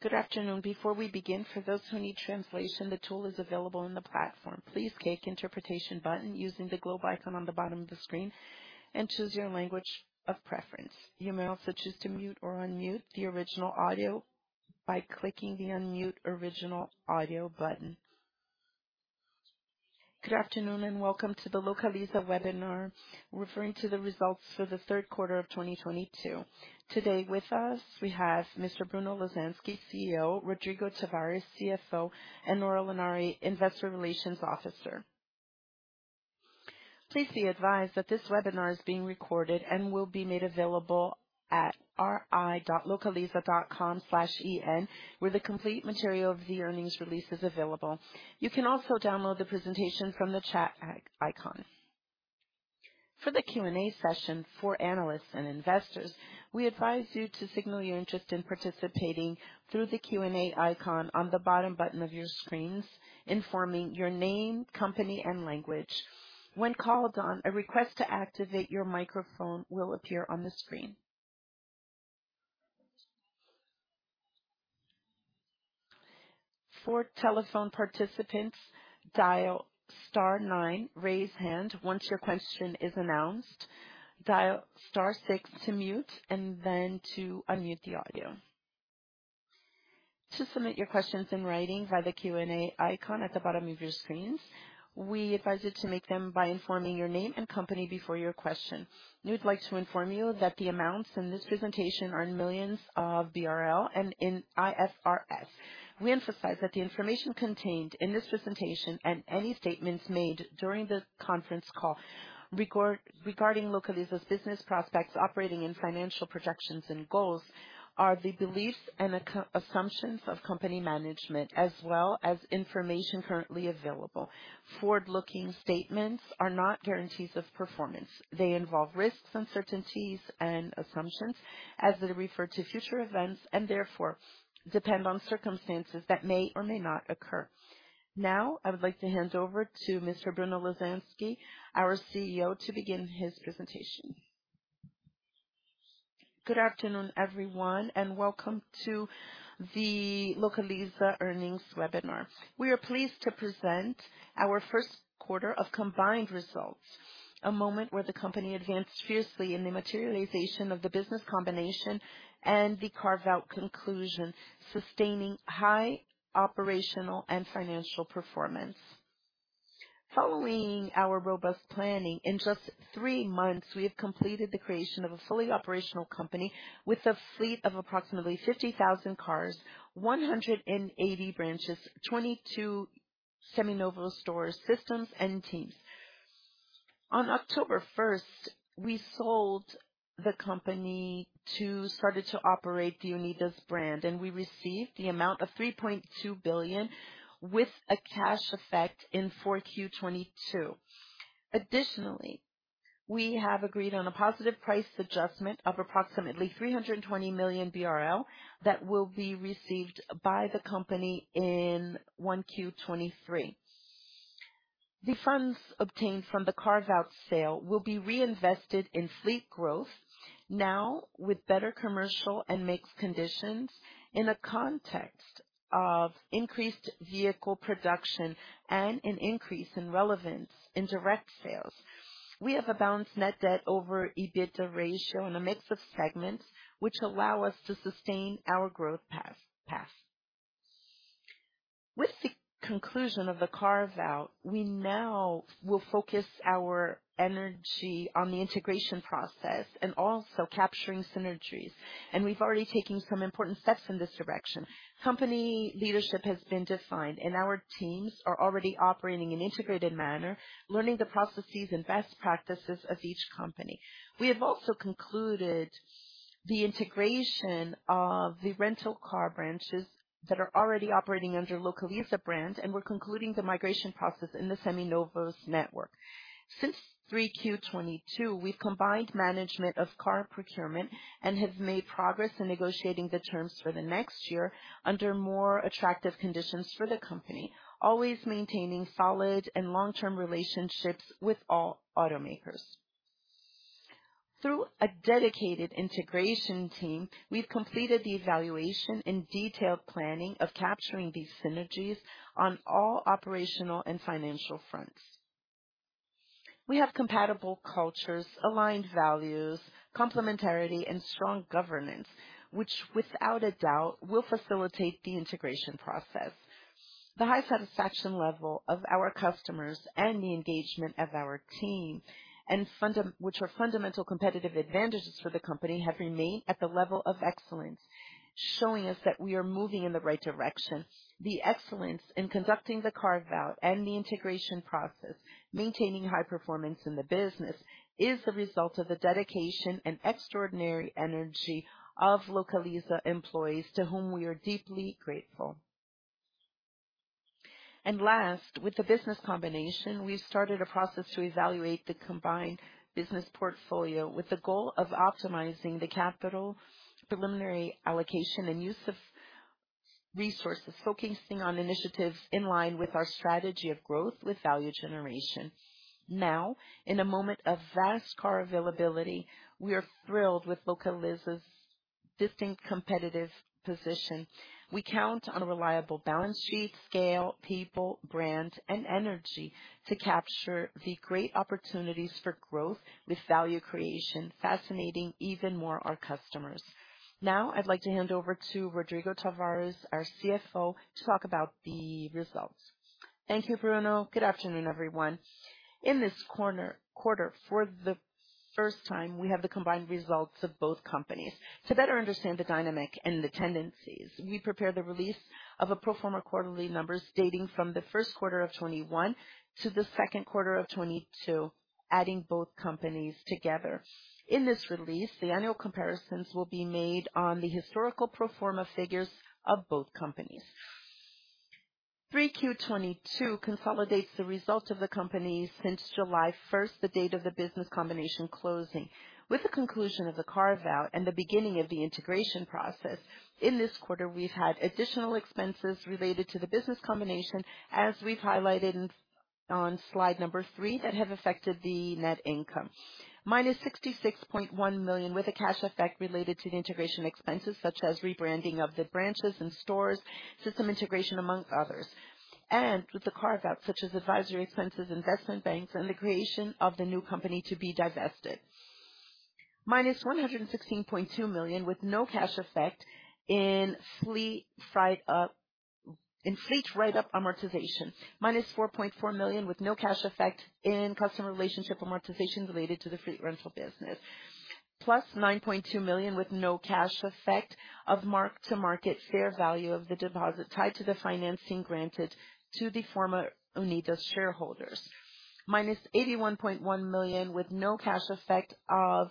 Good afternoon. Before we begin, for those who need translation, the tool is available in the platform. Please click interpretation button using the globe icon on the bottom of the screen and choose your language of preference. You may also choose to mute or unmute the original audio by clicking the Unmute Original Audio button. Good afternoon, and welcome to the Localiza Webinar, referring to the results for the Q3 of 2022. Today with us, we have Mr. Bruno Lasansky, CEO, Rodrigo Tavares, CFO, and Nora Lanari, Investor Relations Officer. Please be advised that this webinar is being recorded and will be made available at ri.localiza.com/en, where the complete material of the earnings release is available. You can also download the presentation from the chat icon. For the Q&A session for analysts and investors, we advise you to signal your interest in participating through the Q&A icon on the bottom button of your screens, informing your name, company, and language. When called on, a request to activate your microphone will appear on the screen. For telephone participants, dial star nine raise hand once your question is announced. Dial star six to mute and then to unmute the audio. To submit your questions in writing via the Q&A icon at the bottom of your screens, we advise you to make them by informing your name and company before your question. We would like to inform you that the amounts in this presentation are in millions of BRL and in IFRS. We emphasize that the information contained in this presentation and any statements made during the conference call regarding Localiza's business prospects, operating and financial projections and goals, are the beliefs and assumptions of company management, as well as information currently available. Forward-looking statements are not guarantees of performance. They involve risks, uncertainties and assumptions as they refer to future events and therefore depend on circumstances that may or may not occur. Now, I would like to hand over to Mr. Bruno Lasansky, our CEO, to begin his presentation. Good afternoon, everyone, and welcome to the Localiza Earnings Webinar. We are pleased to present our Q1 of combined results, a moment where the company advanced fiercely in the materialization of the business combination and the carve-out conclusion, sustaining high operational and financial performance. Following our robust planning, in just three months, we have completed the creation of a fully operational company with a fleet of approximately 50,000 cars, 180 branches, 22 Seminovos stores, systems and teams. On October 1, we started to operate the Unidas brand, and we received the amount of 3.2 billion with a cash effect in 4Q 2022. Additionally, we have agreed on a positive price adjustment of approximately 320 million BRL that will be received by the company in 1Q 2023. The funds obtained from the carve-out sale will be reinvested in fleet growth now with better commercial and mix conditions in the context of increased vehicle production and an increase in relevance in direct sales. We have a balanced net debt over EBITDA ratio and a mix of segments which allow us to sustain our growth path. With the conclusion of the carve-out, we now will focus our energy on the integration process and also capturing synergies, and we've already taken some important steps in this direction. Company leadership has been defined and our teams are already operating in integrated manner, learning the processes and best practices of each company. We have also concluded the integration of the rental car branches that are already operating under Localiza brand, and we're concluding the migration process in the Seminovos network. Since 3Q 2022, we've combined management of car procurement and have made progress in negotiating the terms for the next year under more attractive conditions for the company, always maintaining solid and long-term relationships with all automakers. Through a dedicated integration team, we've completed the evaluation and detailed planning of capturing these synergies on all operational and financial fronts. We have compatible cultures, aligned values, complementarity, and strong governance, which without a doubt will facilitate the integration process. The high satisfaction level of our customers and the engagement of our team and fund, which are fundamental competitive advantages for the company, have remained at the level of excellence, showing us that we are moving in the right direction. The excellence in conducting the carve-out and the integration process, maintaining high performance in the business, is the result of the dedication and extraordinary energy of Localiza employees to whom we are deeply grateful. Last, with the business combination, we started a process to evaluate the combined business portfolio with the goal of optimizing the capital, preliminary allocation and use of resources focusing on initiatives in line with our strategy of growth with value generation. Now, in a moment of vast car availability, we are thrilled with Localiza's distinct competitive position. We count on a reliable balance sheet, scale, people, brand, and energy to capture the great opportunities for growth with value creation, fascinating even more our customers. Now I'd like to hand over to Rodrigo Tavares, our CFO, to talk about the results. Thank you, Bruno. Good afternoon, everyone. In this quarter, for the first time, we have the combined results of both companies. To better understand the dynamic and the tendencies, we prepared the release of pro forma quarterly numbers dating from the Q1 of 2021 to the Q2 of 2022, adding both companies together. In this release, the annual comparisons will be made on the historical pro forma figures of both companies. 3Q 2022 consolidates the results of the company since July 1, the date of the business combination closing. With the conclusion of the carve-out and the beginning of the integration process, in this quarter we've had additional expenses related to the business combination, as we've highlighted on slide number three, that have affected the net income minus 66.1 million, with a cash effect related to the integration expenses such as rebranding of the branches and stores, system integration, among others. With the carve-out such as advisory expenses, investment banks, and the creation of the new company to be divested. -116.2 million with no cash effect in fleet write-up amortization. -4.4 million with no cash effect in customer relationship amortization related to the Fleet Rental business. +9.2 million with no cash effect of mark-to-market fair value of the deposit tied to the financing granted to the former Unidas shareholders. -81.1 million with no cash effect of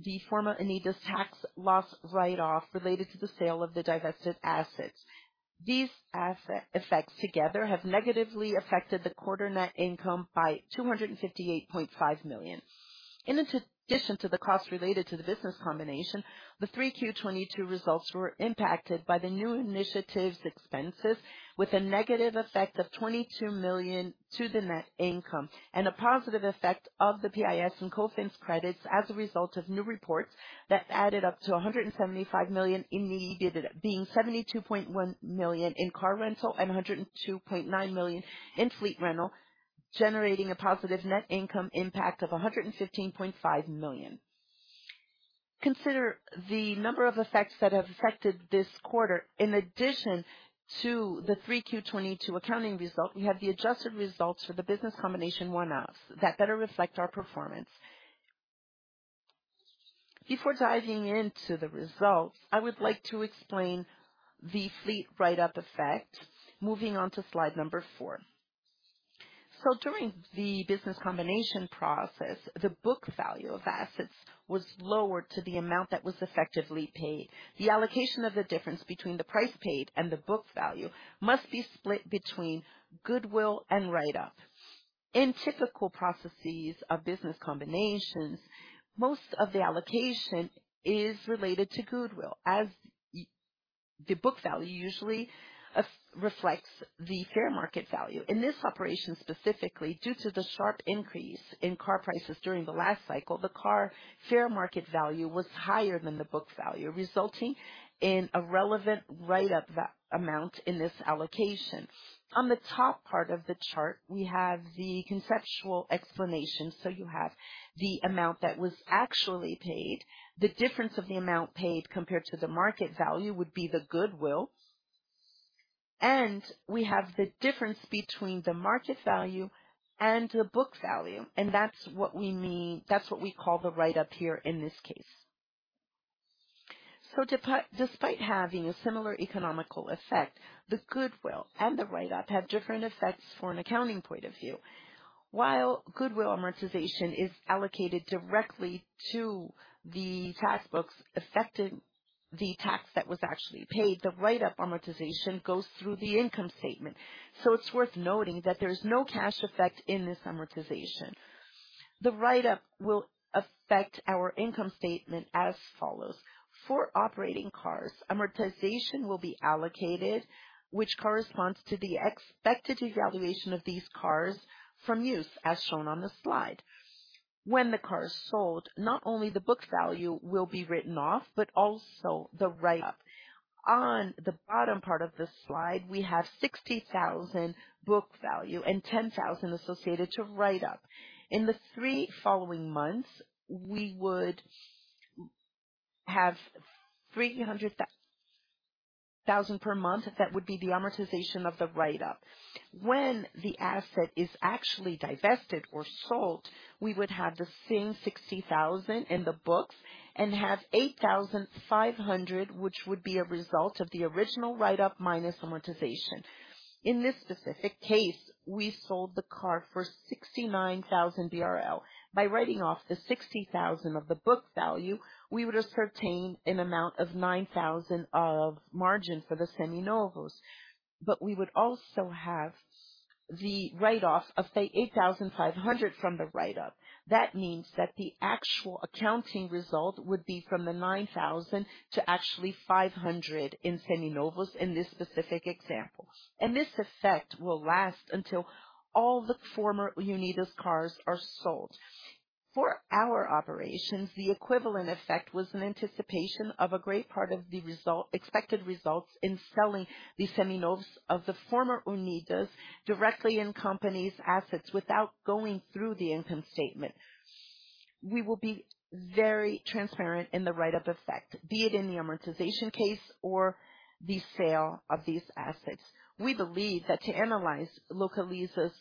the former Unidas tax loss write-off related to the sale of the divested assets. These asset effects together have negatively affected the quarter net income by BRL 258.5 million. In addition to the costs related to the business combination, the 3Q 2022 results were impacted by the new initiatives expenses with a negative effect of 22 million to the net income and a positive effect of the PIS and COFINS credits as a result of new reports that added up to 175 million in the year, being 72.1 million in Car Rental and 102.9 million in Fleet Rental, generating a positive net income impact of 115.5 million. Consider the number of effects that have affected this quarter. In addition to the 3Q 2022 accounting result, we have the adjusted results for the business combination one-offs that better reflect our performance. Before diving into the results, I would like to explain the fleet write-up effect. Moving on to slide number four. During the business combination process, the book value of assets was lowered to the amount that was effectively paid. The allocation of the difference between the price paid and the book value must be split between goodwill and write-up. In typical processes of business combinations, most of the allocation is related to goodwill as the book value usually reflects the fair market value. In this operation, specifically due to the sharp increase in car prices during the last cycle, the car fair market value was higher than the book value, resulting in a relevant write-up amount in this allocation. On the top part of the chart we have the conceptual explanation. You have the amount that was actually paid. The difference of the amount paid compared to the market value would be the goodwill. We have the difference between the market value and the book value, and that's what we mean, that's what we call the write-up here in this case. Despite having a similar economic effect, the goodwill and the write-up have different effects for an accounting point of view. While goodwill amortization is allocated directly to the tax books affecting the tax that was actually paid, the write-up amortization goes through the income statement, so it's worth noting that there is no cash effect in this amortization. The write-up will affect our income statement as follows. For operating cars, amortization will be allocated, which corresponds to the expected devaluation of these cars from use, as shown on the slide. When the car is sold, not only the book value will be written off, but also the write-up. On the bottom part of this slide, we have 60,000 book value and 10,000 associated to write-up. In the three following months, we would have 300,000 per month. That would be the amortization of the write-up. When the asset is actually divested or sold, we would have the same 60,000 in the books and have 8,500, which would be a result of the original write-up minus amortization. In this specific case, we sold the car for 69,000 BRL. By writing off the 60,000 of the book value, we would have retained an amount of 9,000 of margin for the Seminovos. We would also have the write-off of the 8,500 from the write-up. That means that the actual accounting result would be from 9,000 to actually 500 in Seminovos in this specific example. This effect will last until all the former Unidas cars are sold. For our operations, the equivalent effect was an anticipation of a great part of the expected results in selling the Seminovos of the former Unidas directly in company's assets without going through the income statement. We will be very transparent in the write-up effect, be it in the amortization case or the sale of these assets. We believe that to analyze Localiza's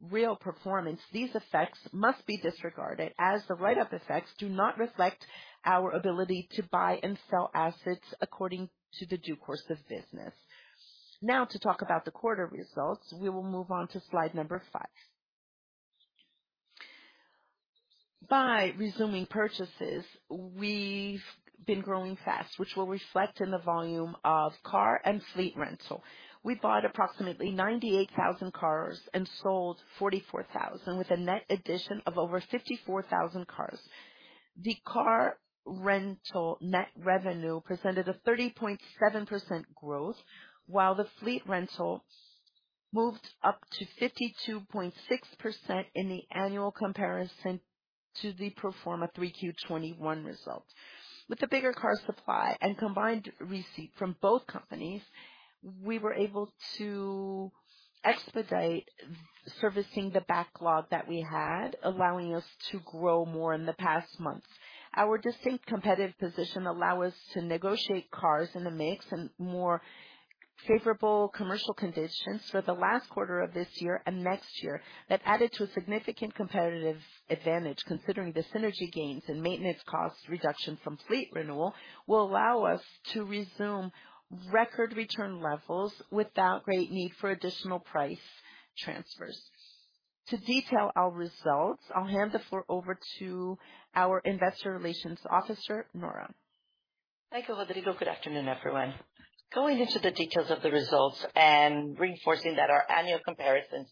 real performance, these effects must be disregarded as the write-up effects do not reflect our ability to buy and sell assets according to the due course of business. Now to talk about the quarter results, we will move on to slide number five. By resuming purchases, we've been growing fast, which will reflect in the volume of car and Fleet Rental. We bought approximately 98,000 cars and sold 44,000, with a net addition of over 54,000 cars. The Car Rental net revenue presented a 30.7% growth, while the Fleet Rental moved up to 52.6% in the annual comparison to the pro forma 3Q 2021 results. With a bigger car supply and combined receipt from both companies, we were able to expedite servicing the backlog that we had, allowing us to grow more in the past months. Our distinct competitive position allow us to negotiate cars in the mix and more favorable commercial conditions for the last quarter of this year and next year that added to a significant competitive advantage considering the synergy gains and maintenance cost reduction from fleet renewal will allow us to resume record return levels without great need for additional price transfers. To detail our results, I'll hand the floor over to our Investor Relations Officer, Nora. Thank you, Rodrigo. Good afernoon, everyone. Going into the details of the results and reinforcing that our annual comparisons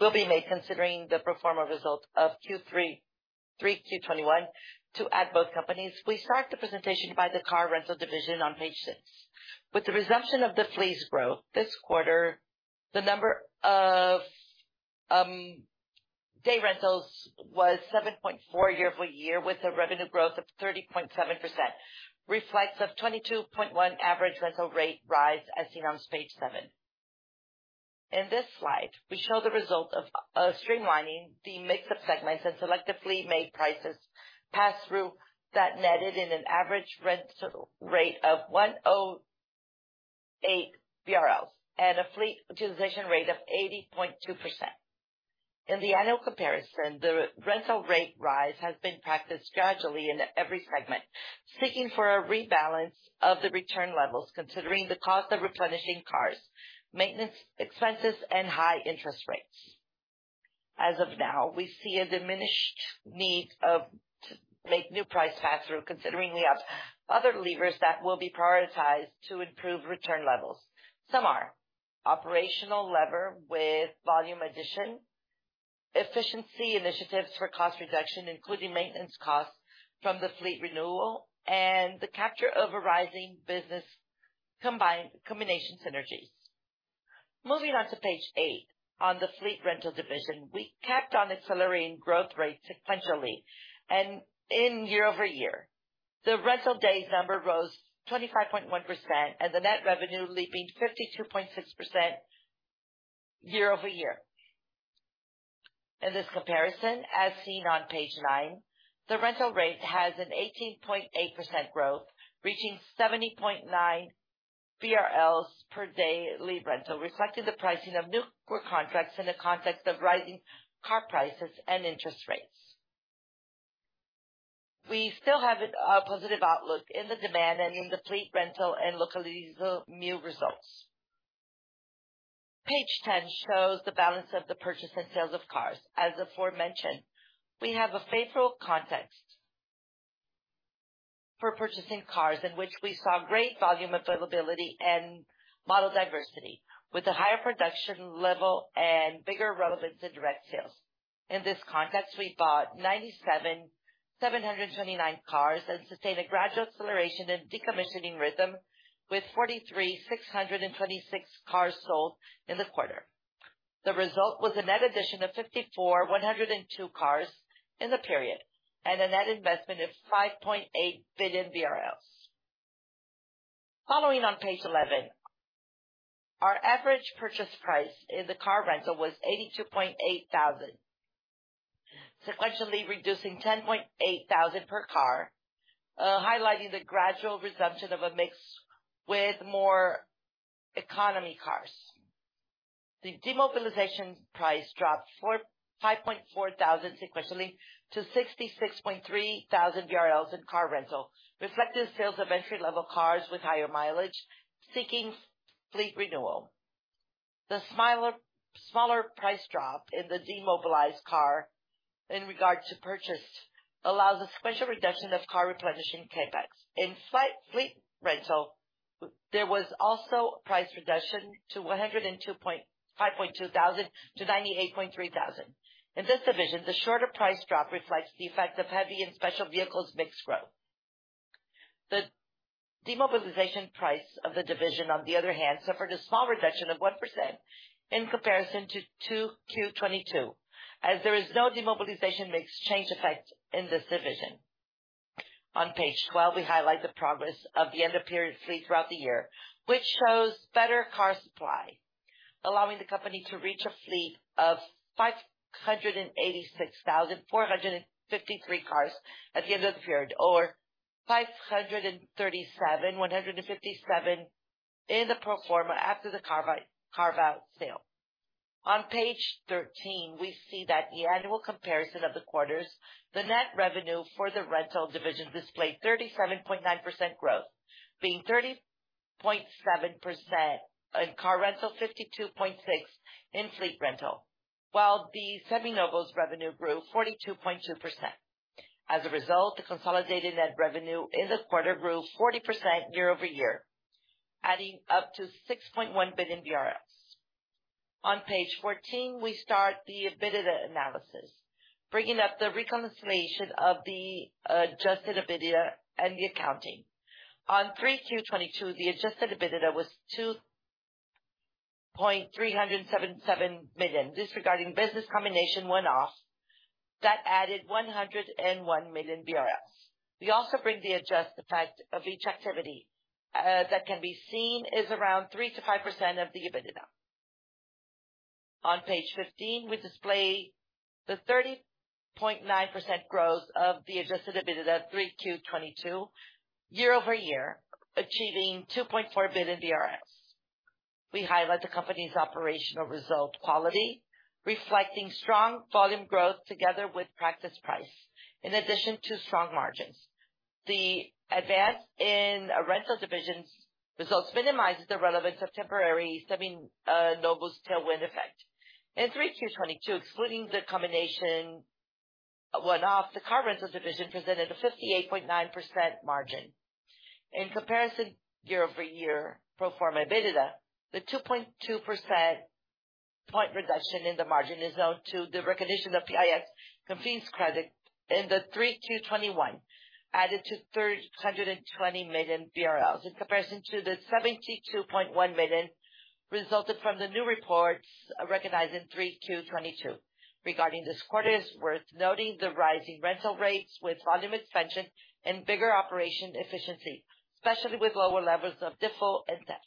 will be made considering the pro forma results of 3Q 2021 to add both companies. We start the presentation by the Car Rental division on page six. With the resumption of the fleet's growth this quarter, the number of day rentals was 7.4% year-over-year, with a revenue growth of 30.7%, reflecting a 22.1% average rental rate rise as seen on page seven. In this slide, we show the result of streamlining the mix of segments and selectively made prices pass through that netted in an average rental rate of 108 BRL and a fleet utilization rate of 80.2%. In the annual comparison, the rental rate rise has been practiced gradually in every segment, seeking for a rebalance of the return levels, considering the cost of replenishing cars, maintenance expenses, and high interest rates. As of now, we see a diminished need to make new price pass through, considering we have other levers that will be prioritized to improve return levels. Some are operational lever with volume addition, efficiency initiatives for cost reduction, including maintenance costs from the fleet renewal, and the capture of arising business combination synergies. Moving on to page eight, on the Fleet Rental division, we kept on accelerating growth rate sequentially and year-over-year. The rental days number rose 25.1% and the net revenue leaping 52.6% year-over-year. In this comparison, as seen on page nine, the rental rate has an 18.8% growth, reaching 70.9 BRL per day Fleet Rental, reflecting the pricing of newer contracts in the context of rising car prices and interest rates. We still have a positive outlook in the demand and in the Fleet Rental and Localiza Meoo results. Page 10 shows the balance of the purchase and sales of cars. As aforementioned, we have a favorable context for purchasing cars in which we saw great volume availability and model diversity with a higher production level and bigger relevance in direct sales. In this context, we bought 97,729 cars and sustained a gradual acceleration and decommissioning rhythm with 43,626 cars sold in the quarter. The result was a net addition of 54,102 cars in the period and a net investment of 5.8 billion BRL. Following on page 11, our average purchase price in the Car Rental was 82,800, sequentially reducing 10,800 per car, highlighting the gradual resumption of a mix with more economy cars. The demobilization price dropped 5,400 sequentially to 66,300 BRL in Car Rental, reflecting sales of entry-level cars with higher mileage, seeking fleet renewal. The smaller price drop in the demobilized car in regard to purchase allows a substantial reduction of car replenishing CapEx. In Fleet Rental, there was also a price reduction to 102,500 to 98,300. In this division, the shorter price drop reflects the effect of heavy and special vehicles mix growth. The demobilization price of the division, on the other hand, suffered a small reduction of 1% in comparison to 2Q 2022, as there is no demobilization mix change effect in this division. On page 12, we highlight the progress of the end of period fleet throughout the year, which shows better car supply, allowing the company to reach a fleet of 586,453 cars at the end of the period, or 537,157 in the pro forma after the carve-out sale. On page 13, we see that the annual comparison of the quarters, the net revenue for the rental division displayed 37.9% growth, being 30.7% in Car Rental, 52.6% in Fleet Rental, while the Seminovos revenue grew 42.2%. As a result, the consolidated net revenue in the quarter grew 40% year-over-year, adding up to 6.1 billion BRL. On page 14, we start the EBITDA analysis, bringing up the reconciliation of the adjusted EBITDA and the accounting. On 3Q 2022, the adjusted EBITDA was 2,377.7 Million, disregarding business combination one-off that added 101 million BRL. We also bring the adjust effect of each activity that can be seen as around 3%-5% of the EBITDA. On page 15, we display the 30.9% growth of the adjusted EBITDA 3Q 2022 year-over-year, achieving 2.4 billion. We highlight the company's operational result quality, reflecting strong volume growth together with pricing in addition to strong margins. The advance in rental divisions results minimizes the relevance of temporary Seminovos tailwind effect. In 3Q 2022, excluding the combination one-off, the Car Rental division presented a 58.9% margin. In comparison year-over-year pro forma EBITDA, the 2.2 percentage point reduction in the margin is owed to the recognition of PIS and COFINS credit in the 3Q 2021, added to 320 million BRL, in comparison to the 72.1 million resulted from the new reports recognized in 3Q 2022. Regarding this quarter, it's worth noting the rising rental rates with volume expansion and bigger operation efficiency, especially with lower levels of default and theft.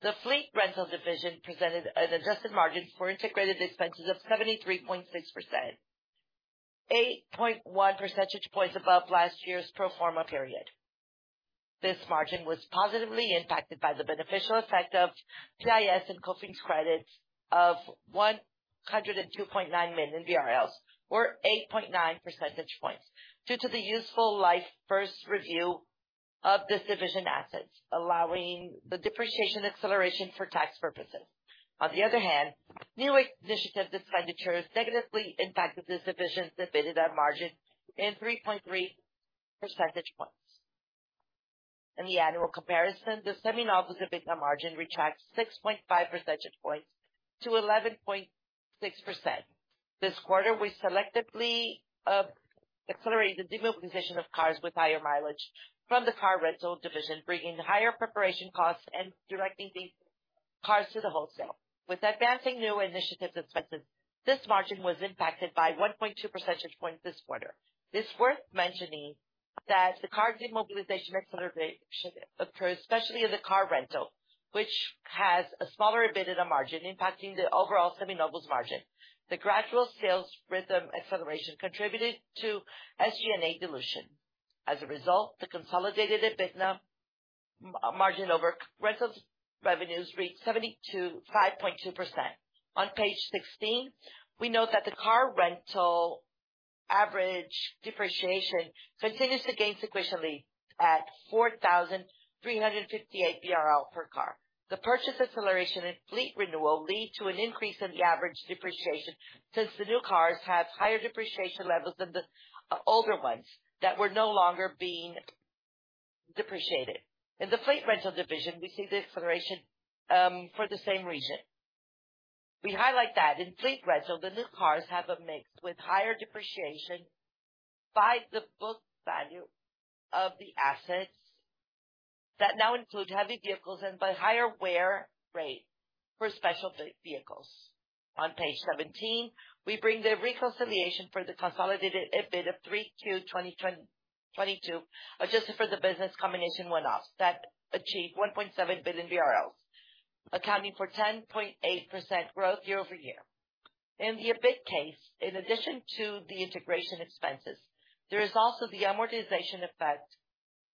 The Fleet Rental division presented an adjusted margin for integrated expenses of 73.6%, 8.1 percentage points above last year's pro forma period. This margin was positively impacted by the beneficial effect of PIS and COFINS credits of 102.9 million, or 8.9 percentage points due to the useful life first review of this division assets, allowing the depreciation acceleration for tax purposes. On the other hand, new initiatives expenditures negatively impacted this division's EBITDA margin in 3.3 percentage points. In the annual comparison, the Seminovos EBITDA margin retracts 6.5 percentage points to 11.6%. This quarter, we selectively accelerated the demobilization of cars with higher mileage from the Car Rental division, bringing higher preparation costs and directing these cars to the wholesale. With advancing new initiatives expenses, this margin was impacted by 1.2 percentage points this quarter. It's worth mentioning that the car demobilization acceleration occurred especially in the Car Rental, which has a smaller EBITDA margin impacting the overall Seminovos margin. The gradual sales rhythm acceleration contributed to SG&A dilution. As a result, the consolidated EBITDA margin Car Rentals revenues reached 75.2%. On page 16, we note that the Car Rental average depreciation continues to gain sequentially at 4,358 BRL per car. The purchase acceleration and fleet renewal lead to an increase in the average depreciation since the new cars have higher depreciation levels than the older ones that were no longer being depreciated. In the Fleet Rental division, we see the acceleration for the same reason. We highlight that in Fleet Rental, the new cars have a mix with higher depreciation by the book value of the assets that now include heavy vehicles and by higher wear rate for special vehicles. On page 17, we bring the reconciliation for the consolidated EBIT of 3Q 2022, adjusted for the business combination one-offs that achieved 1.7 billion BRL, accounting for 10.8% growth year-over-year. In the EBIT case, in addition to the integration expenses, there is also the amortization effect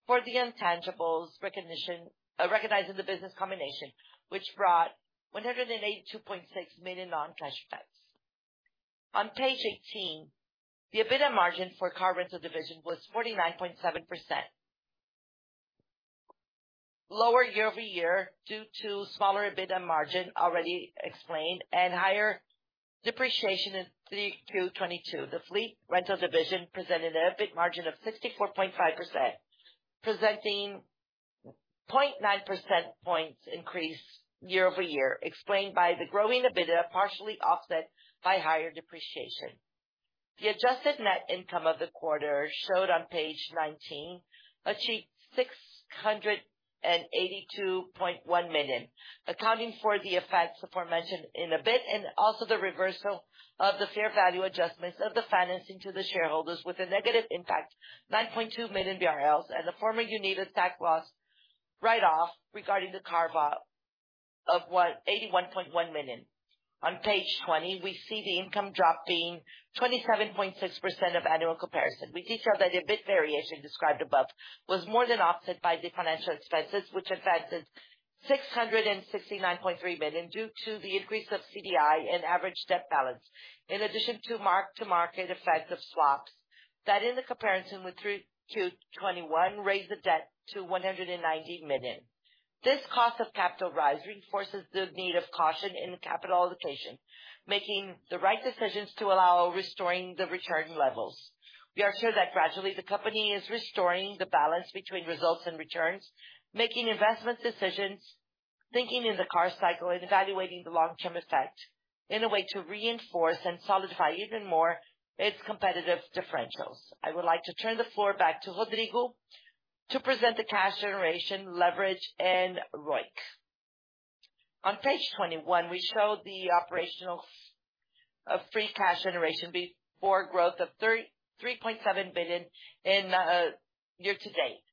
for the intangibles recognition, recognized in the business combination, which brought 182.6 million non-cash effects. On page 18, the EBITDA margin for Car Rental division was 49.7%, lower year-over-year due to smaller EBITDA margin already explained and higher depreciation in 3Q 2022. The Fleet Rental division presented an EBIT margin of 64.5%, presenting 0.9 percentage points increase year-over-year, explained by the growing EBITDA, partially offset by higher depreciation. The adjusted net income of the quarter showed on page 19 achieved 682.1 million. Accounting for the effects aforementioned in EBIT and also the reversal of the fair value adjustments of the financing to the shareholders with a negative impact, 9.2 million BRL and the former Unidas tax loss write-off regarding the carve-out of 181.1 million. On page 20, we see the income dropping 27.6% year-over-year. We detail that EBIT variation described above was more than offset by the financial expenses, which affected 669.3 million due to the increase of CDI and average debt balance. In addition to mark-to-market effect of swaps that in the comparison with 3Q 2021 raised the debt to 190 million. This cost of capital rise reinforces the need of caution in capital allocation, making the right decisions to allow restoring the return levels. We are sure that gradually the company is restoring the balance between results and returns, making investment decisions, thinking in the car cycle and evaluating the long term effect in a way to reinforce and solidify even more its competitive differentials. I would like to turn the floor back to Rodrigo to present the cash generation leverage and ROIC. On page 21, we show the operational free cash generation before growth of 33.7 billion in year to date.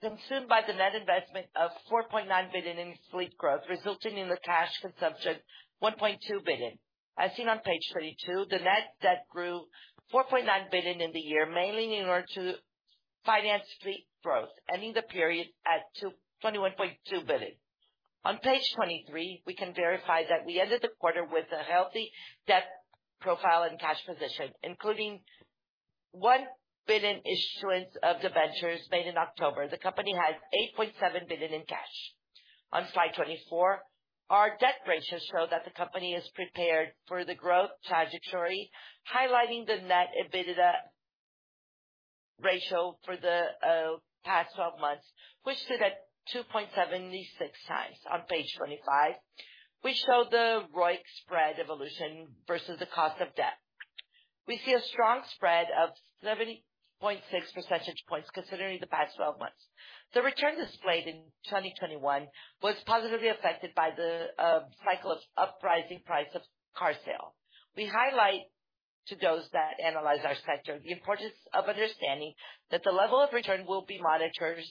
Consumed by the net investment of 4.9 billion in fleet growth, resulting in the cash consumption 1.2 billion. As seen on page 22, the net debt grew 4.9 billion in the year, mainly in order to finance fleet growth, ending the period at 21.2 billion. On page 23, we can verify that we ended the quarter with a healthy debt profile and cash position, including 1 billion issuance of debentures made in October. The company has 8.7 billion in cash. On slide 24, our debt ratios show that the company is prepared for the growth trajectory, highlighting the net EBITDA ratio for the past twelve months, which stood at 2.76x. On page 25, we show the ROIC spread evolution versus the cost of debt. We see a strong spread of 70.6 percentage points considering the past twelve months. The return displayed in 2021 was positively affected by the cycle of rising prices of car sales. We highlight to those that analyze our sector the importance of understanding that the level of return will be monitored.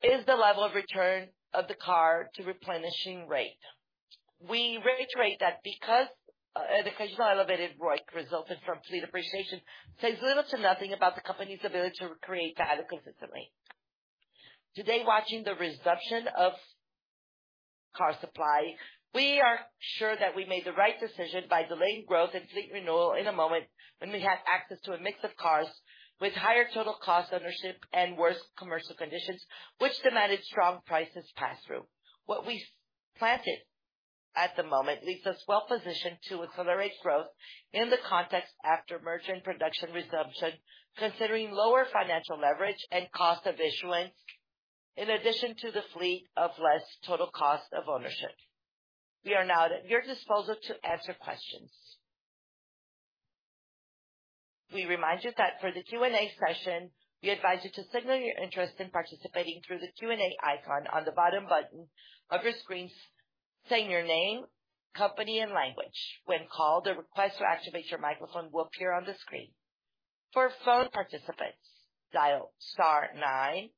Is the level of return of the car to replenishing rate. We reiterate that because the occasional elevated ROIC resulted from fleet appreciation says little to nothing about the company's ability to recreate that consistently. Today, watching the resumption of car supply, we are sure that we made the right decision by delaying growth and fleet renewal in a moment when we had access to a mix of cars with higher total cost of ownership and worse commercial conditions which demanded strong price pass-through. What we've planned at the moment leaves us well positioned to accelerate growth in the context after merger and production resumption, considering lower financial leverage and cost of acquisition in addition to the fleet of less total cost of ownership. We are now at your disposal to answer questions. We remind you that for the Q&A session, we advise you to signal your interest in participating through the Q&A icon on the bottom button of your screen, saying your name, company and language. When called, a request to activate your microphone will appear on the screen. For phone participants, dial star nine,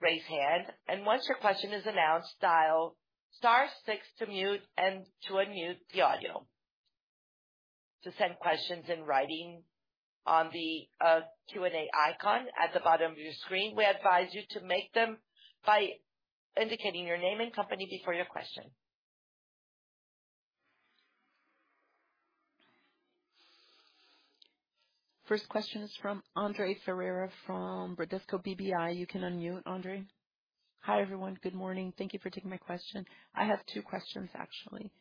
raise hand, and once your question is announced, dial star six to mute and to unmute the audio. To send questions in writing on the Q&A icon at the bottom of your screen, we advise you to make them by indicating your name and company before your question. First question is from Andre Ferreira from Bradesco BBI. You can unmute, Andre. Hi, everyone. Good morning. Thank you for taking my question. I have two questions, actually.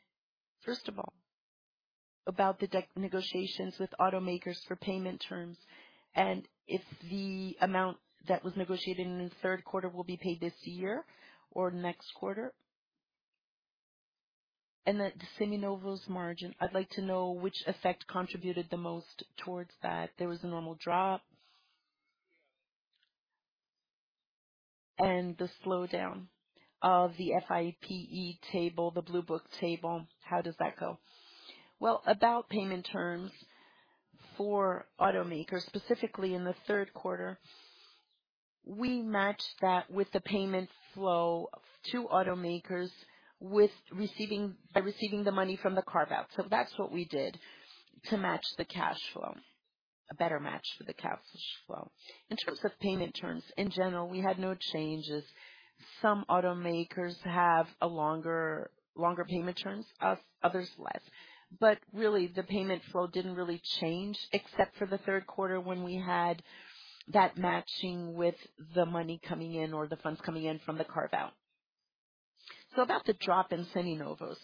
First of all, about the negotiations with automakers for payment terms, and if the amount that was negotiated in the Q3 will be paid this year or next quarter. Then the Seminovos margin. I'd like to know which effect contributed the most towards that. There was a normal drop. The slowdown of the FIPE table, the Blue Book table. How does that go? Well, about payment terms for automakers, specifically in the Q3, we matched that with the payment flow to automakers by receiving the money from the car sale. That's what we did to match the cash flow, a better match for the cash flow. In terms of payment terms, in general, we had no changes. Some automakers have a longer payment terms, others less. Really, the payment flow didn't really change except for the Q3 when we had that matching with the money coming in or the funds coming in from the carve-out. About the drop in Seminovos.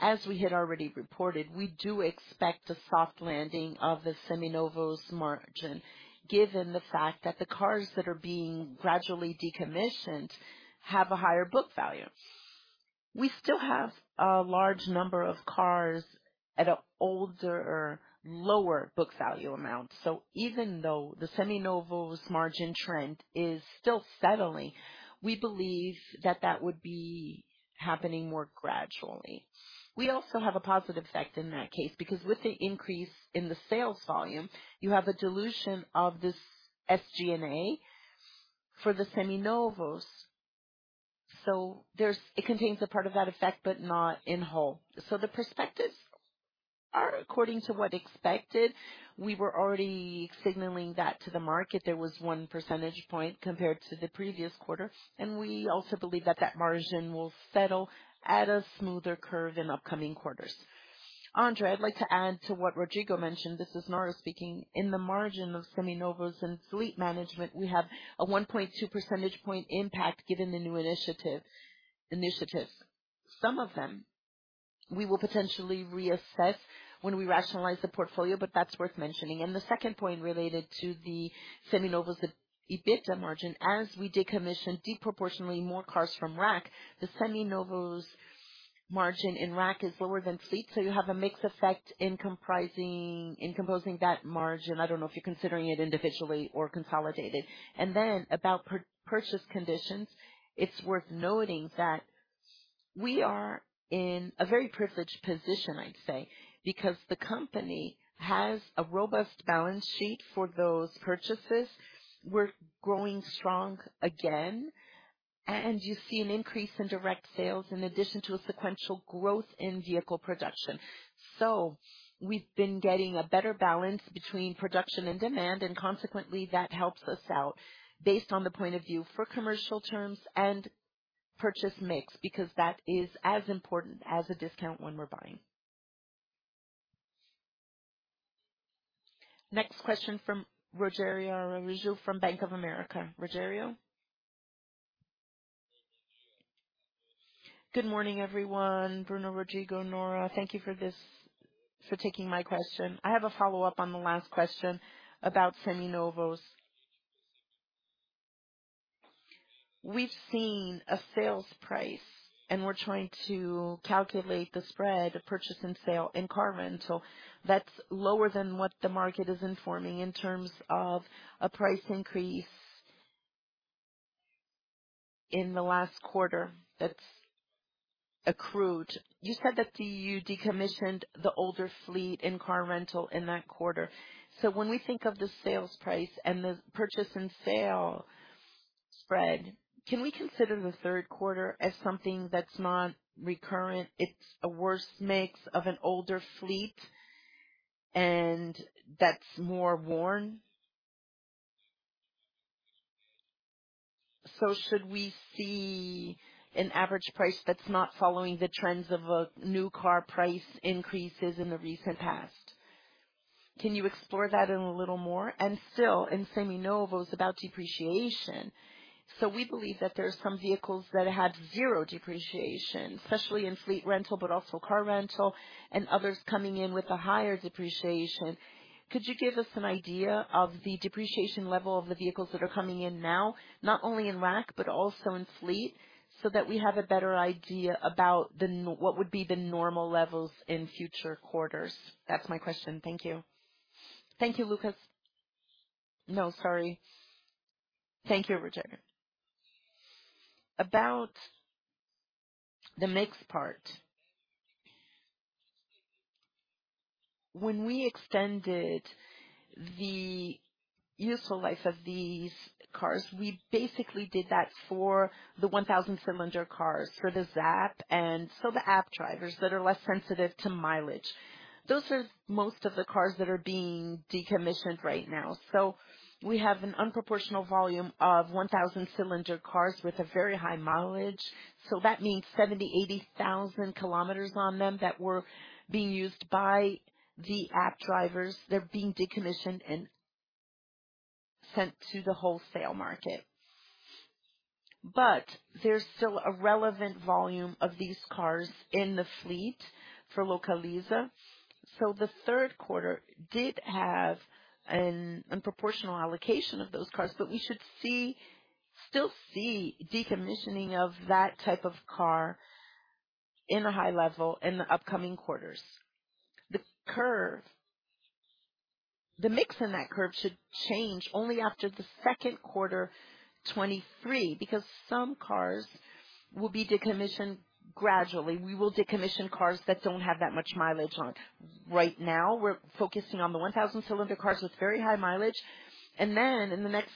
As we had already reported, we do expect a soft landing of the Seminovos margin, given the fact that the cars that are being gradually decommissioned have a higher book value. We still have a large number of cars at an older, lower book value amount. Even though the Seminovos margin trend is still settling, we believe that that would be happening more gradually. We also have a positive effect in that case, because with the increase in the sales volume, you have a dilution of this SG&A for the Seminovos. It contains a part of that effect, but not in whole. The perspectives are according to what was expected, we were already signaling that to the market. There was 1 percentage point compared to the previous quarter, and we also believe that that margin will settle at a smoother curve in upcoming quarters. Andre, I'd like to add to what Rodrigo mentioned. This is Nora speaking. In the margin of Seminovos and fleet management, we have a 1.2 percentage point impact given the new initiatives. Some of them we will potentially reassess when we rationalize the portfolio, but that's worth mentioning. The second point related to the Seminovos EBITDA margin. As we decommission disproportionately more cars from RAC, the Seminovos margin in RAC is lower than fleet. You have a mixed effect in composing that margin. I don't know if you're considering it individually or consolidated. About purchase conditions, it's worth noting that we are in a very privileged position, I'd say, because the company has a robust balance sheet for those purchases. We're growing strong again, and you see an increase in direct sales in addition to a sequential growth in vehicle production. We've been getting a better balance between production and demand, and consequently, that helps us out based on the point of view for commercial terms and purchase mix, because that is as important as a discount when we're buying. Next question from Rogério Araújo from Bank of America. Rogério? Good morning, everyone. Bruno, Rodrigo, Nora, thank you for taking my question. I have a follow-up on the last question about Seminovos. We've seen a sales price, and we're trying to calculate the spread of purchase and sale in Car Rental that's lower than what the market is informing in terms of a price increase. In the last quarter that's accrued. You said that you decommissioned the older fleet in Car Rental in that quarter. When we think of the sales price and the purchase and sale spread, can we consider the Q3 as something that's not recurrent? It's a worse mix of an older fleet and that's more worn. Should we see an average price that's not following the trends of new car price increases in the recent past? Can you explore that in a little more? Still in Seminovos about depreciation. We believe that there are some vehicles that had zero depreciation, especially in Fleet Rental, but also Car Rental and others coming in with a higher depreciation. Could you give us an idea of the depreciation level of the vehicles that are coming in now, not only in RAC but also in fleet, so that we have a better idea about what would be the normal levels in future quarters? That's my question. Thank you. Thank you, Lucas. No, sorry. Thank you, Rogério. About the mix part. When we extended the useful life of these cars, we basically did that for the 1,000 cylinder cars, for the Zarp and so the app drivers that are less sensitive to mileage. Those are most of the cars that are being decommissioned right now. We have a disproportional volume of 1,000 cylinder cars with a very high mileage. That means 70,000-80,000 kilometers on them that were being used by the app drivers. They're being decommissioned and sent to the wholesale market. There's still a relevant volume of these cars in the fleet for Localiza. The Q3 did have a disproportional allocation of those cars. We should still see decommissioning of that type of car at a high level in the upcoming quarters. The curve. The mix in that curve should change only after the Q2 2023, because some cars will be decommissioned gradually. We will decommission cars that don't have that much mileage on. Right now, we're focusing on the 1,000 cylinder cars with very high mileage. In the next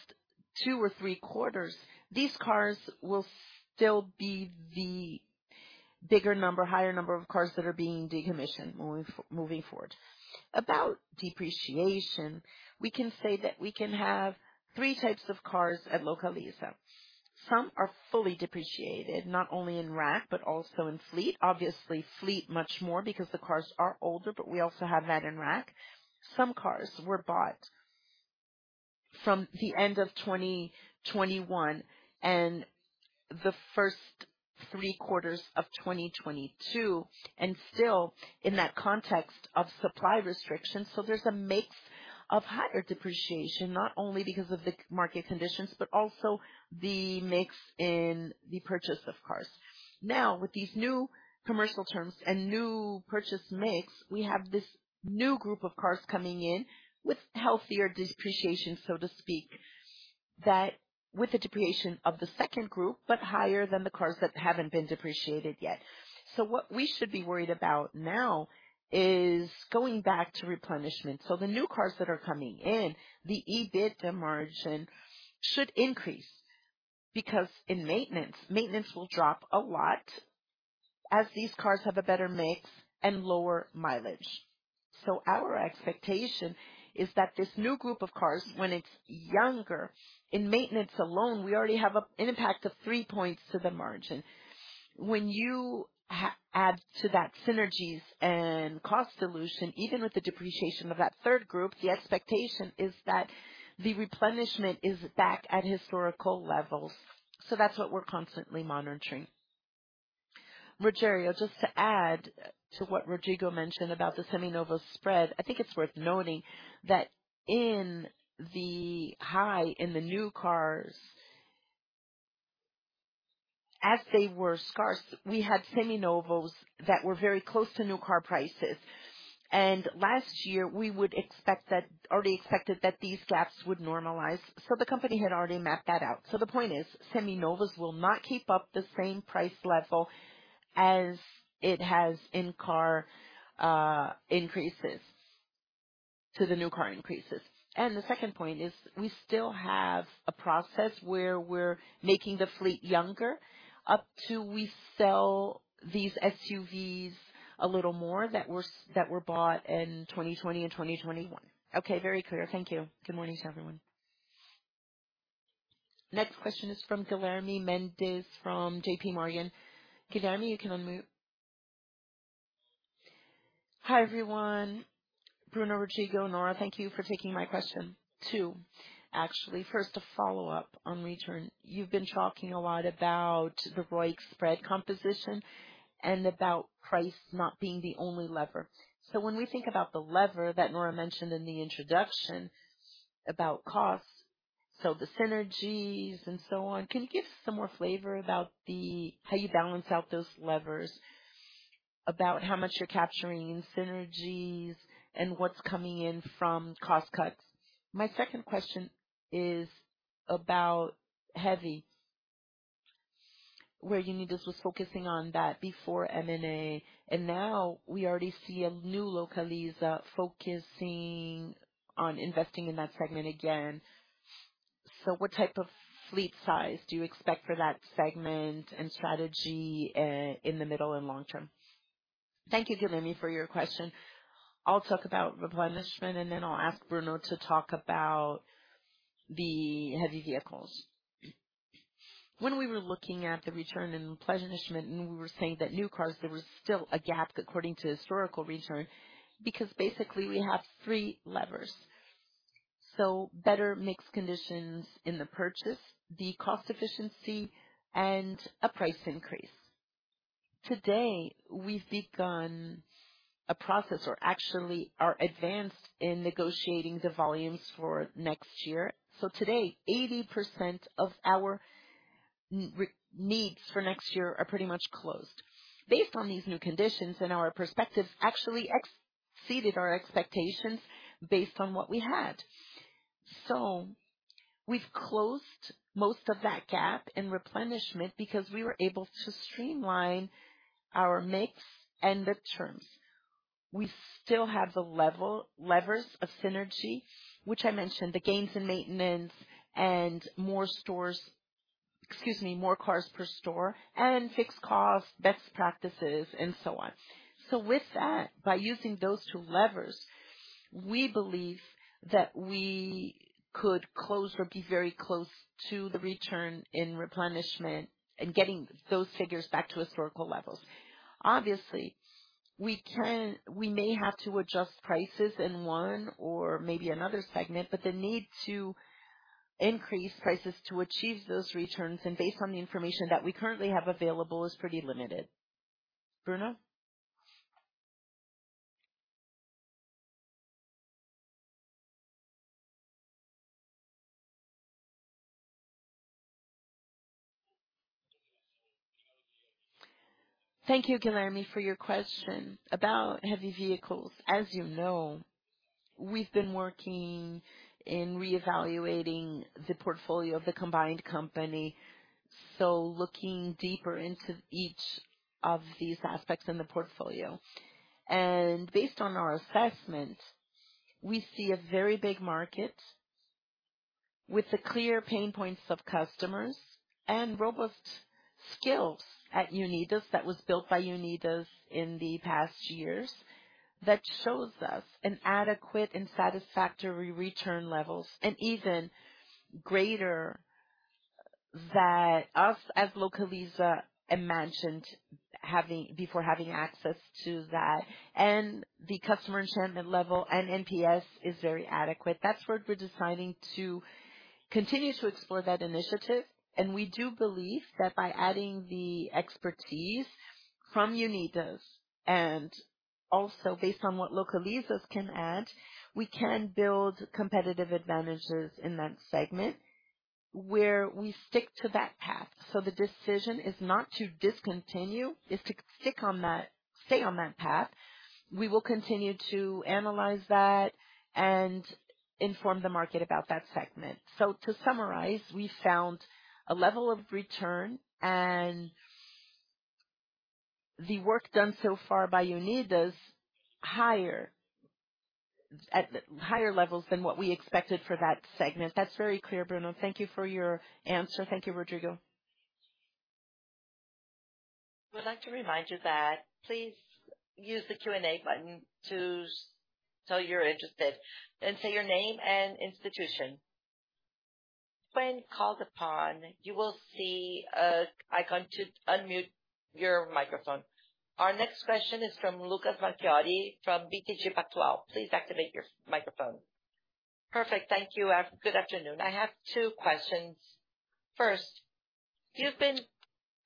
two or three quarters, these cars will still be the bigger number, higher number of cars that are being decommissioned moving forward. About depreciation, we can say that we can have three types of cars at Localiza. Some are fully depreciated, not only in RAC but also in Fleet. Obviously, Fleet much more because the cars are older, but we also have that in RAC. Some cars were bought from the end of 2021 and the first three quarters of 2022, and still in that context of supply restrictions. There's a mix of higher depreciation, not only because of the market conditions, but also the mix in the purchase of cars. With these new commercial terms and new purchase mix, we have this new group of cars coming in with healthier depreciation, so to speak, that with the depreciation of the second group, but higher than the cars that haven't been depreciated yet. What we should be worried about now is going back to replenishment. The new cars that are coming in, the EBIT, the margin should increase because in maintenance will drop a lot as these cars have a better mix and lower mileage. Our expectation is that this new group of cars, when it's younger, in maintenance alone, we already have an impact of 3 points to the margin. When you add to that synergies and cost dilution, even with the depreciation of that third group, the expectation is that the replenishment is back at historical levels. That's what we're constantly monitoring. Rogério, just to add to what Rodrigo mentioned about the Seminovos spread, I think it's worth noting that in the new cars, as they were scarce, we had Seminovos that were very close to new car prices. Last year, we already expected that these gaps would normalize, so the company had already mapped that out. The point is, Seminovos will not keep up the same price level as it has increased to the new car increases. The second point is we still have a process where we're making the fleet younger, until we sell these SUVs a little more that were bought in 2020 and 2021. Okay. Very clear. Thank you. Good morning to everyone. Next question is from Guilherme Mendes from JPMorgan. Guilherme, you can unmute. Hi, everyone. Bruno, Rodrigo, Nora, thank you for taking my question. Two, actually. First, a follow-up on return. You've been talking a lot about the ROIC spread composition and about price not being the only lever. When we think about the lever that Nora mentioned in the introduction about costs, so the synergies and so on, can you give some more flavor about how you balance out those levers, about how much you're capturing in synergies and what's coming in from cost cuts? My second question is about heavy, where Unidas was focusing on that before M&A, and now we already see a new Localiza focusing on investing in that segment again. What type of fleet size do you expect for that segment and strategy in the middle and long term? Thank you, Guilherme, for your question. I'll talk about replenishment, and then I'll ask Bruno to talk about the heavy vehicles. When we were looking at the return and replenishment, and we were saying that new cars, there was still a gap according to historical return, because basically, we have three levers. Better mix conditions in the purchase, the cost efficiency, and a price increase. Today, we've begun a process or actually are advanced in negotiating the volumes for next year. Today, 80% of our needs for next year are pretty much closed. Based on these new conditions and our perspectives actually exceeded our expectations based on what we had. We've closed most of that gap in replenishment because we were able to streamline our mix and the terms. We still have the levers of synergy, which I mentioned, the gains in maintenance and more stores. Excuse me, more cars per store and fixed costs, best practices, and so on. With that, by using those two levers, we believe that we could close or be very close to the return in replenishment and getting those figures back to historical levels. Obviously, we may have to adjust prices in one or maybe another segment, but the need to increase prices to achieve those returns and based on the information that we currently have available is pretty limited. Bruno. Thank you, Guilherme, for your question. About heavy vehicles, as you know, we've been working in reevaluating the portfolio of the combined company, so looking deeper into each of these aspects in the portfolio. Based on our assessment, we see a very big market. With the clear pain points of customers and robust skills at Unidas that was built by Unidas in the past years, that shows us an adequate and satisfactory return levels and even greater than us as Localiza imagined having before having access to that. The customer sentiment level and NPS is very adequate. That's why we're deciding to continue to explore that initiative. We do believe that by adding the expertise from Unidas, and also based on what Localiza can add, we can build competitive advantages in that segment where we stick to that path. The decision is not to discontinue. It's to stay on that path. We will continue to analyze that and inform the market about that segment. To summarize, we found a level of return and the work done so far by Unidas higher at higher levels than what we expected for that segment. That's very clear, Bruno. Thank you for your answer. Thank you, Rodrigo. We'd like to remind you that please use the Q&A button to tell you're interested and say your name and institution. When called upon, you will see an icon to unmute your microphone. Our next question is from Lucas Marquiori from BTG Pactual. Please activate your microphone. Perfect. Thank you. Good afternoon. I have two questions. First, you've been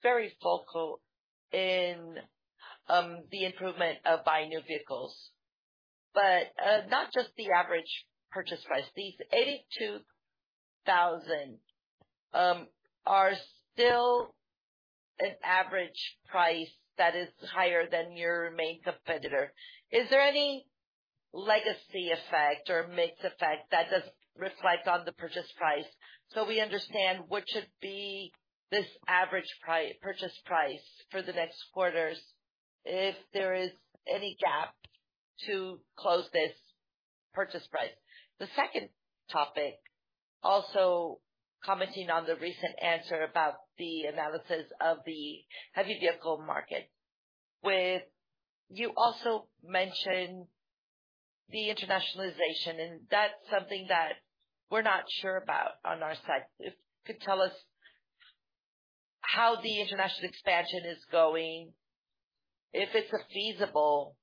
very vocal in the improvement of buying new vehicles, but not just the average purchase price. These 82,000 are still an average price that is higher than your main competitor. Is there any legacy effect or mix effect that does reflect on the purchase price, so we understand what should be this average purchase price for the next quarters, if there is any gap to close this purchase price? The second topic, also commenting on the recent answer about the analysis of the heavy vehicle market. You also mentioned the internationalization, and that's something that we're not sure about on our side. If you could tell us how the international expansion is going, if it's a feasible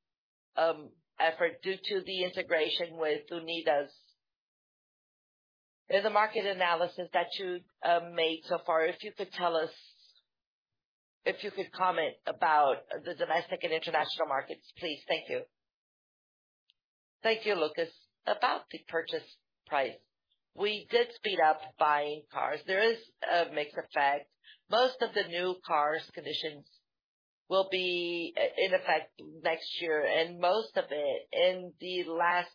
effort due to the integration with Unidas. In the market analysis that you made so far, if you could tell us. If you could comment about the domestic and international markets, please. Thank you. Thank you, Lucas. About the purchase price. We did speed up buying cars. There is a mix effect. Most of the new cars conditions will be in effect next year and most of it in the last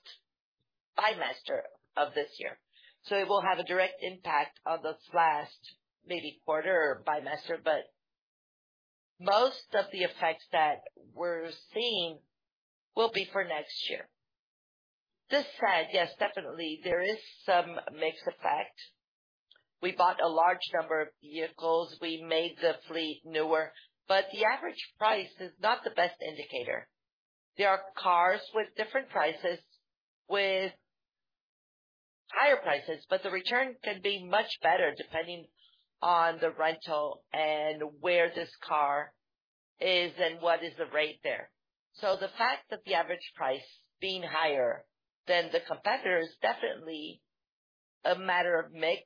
bimester of this year. It will have a direct impact on this last maybe quarter or bimester, but most of the effects that we're seeing will be for next year. This said, yes, definitely, there is some mix effect. We bought a large number of vehicles. We made the fleet newer, but the average price is not the best indicator. There are cars with different prices, with higher prices, but the return can be much better depending on the rental and where this car is and what is the rate there. The fact that the average price being higher than the competitor is definitely a matter of mix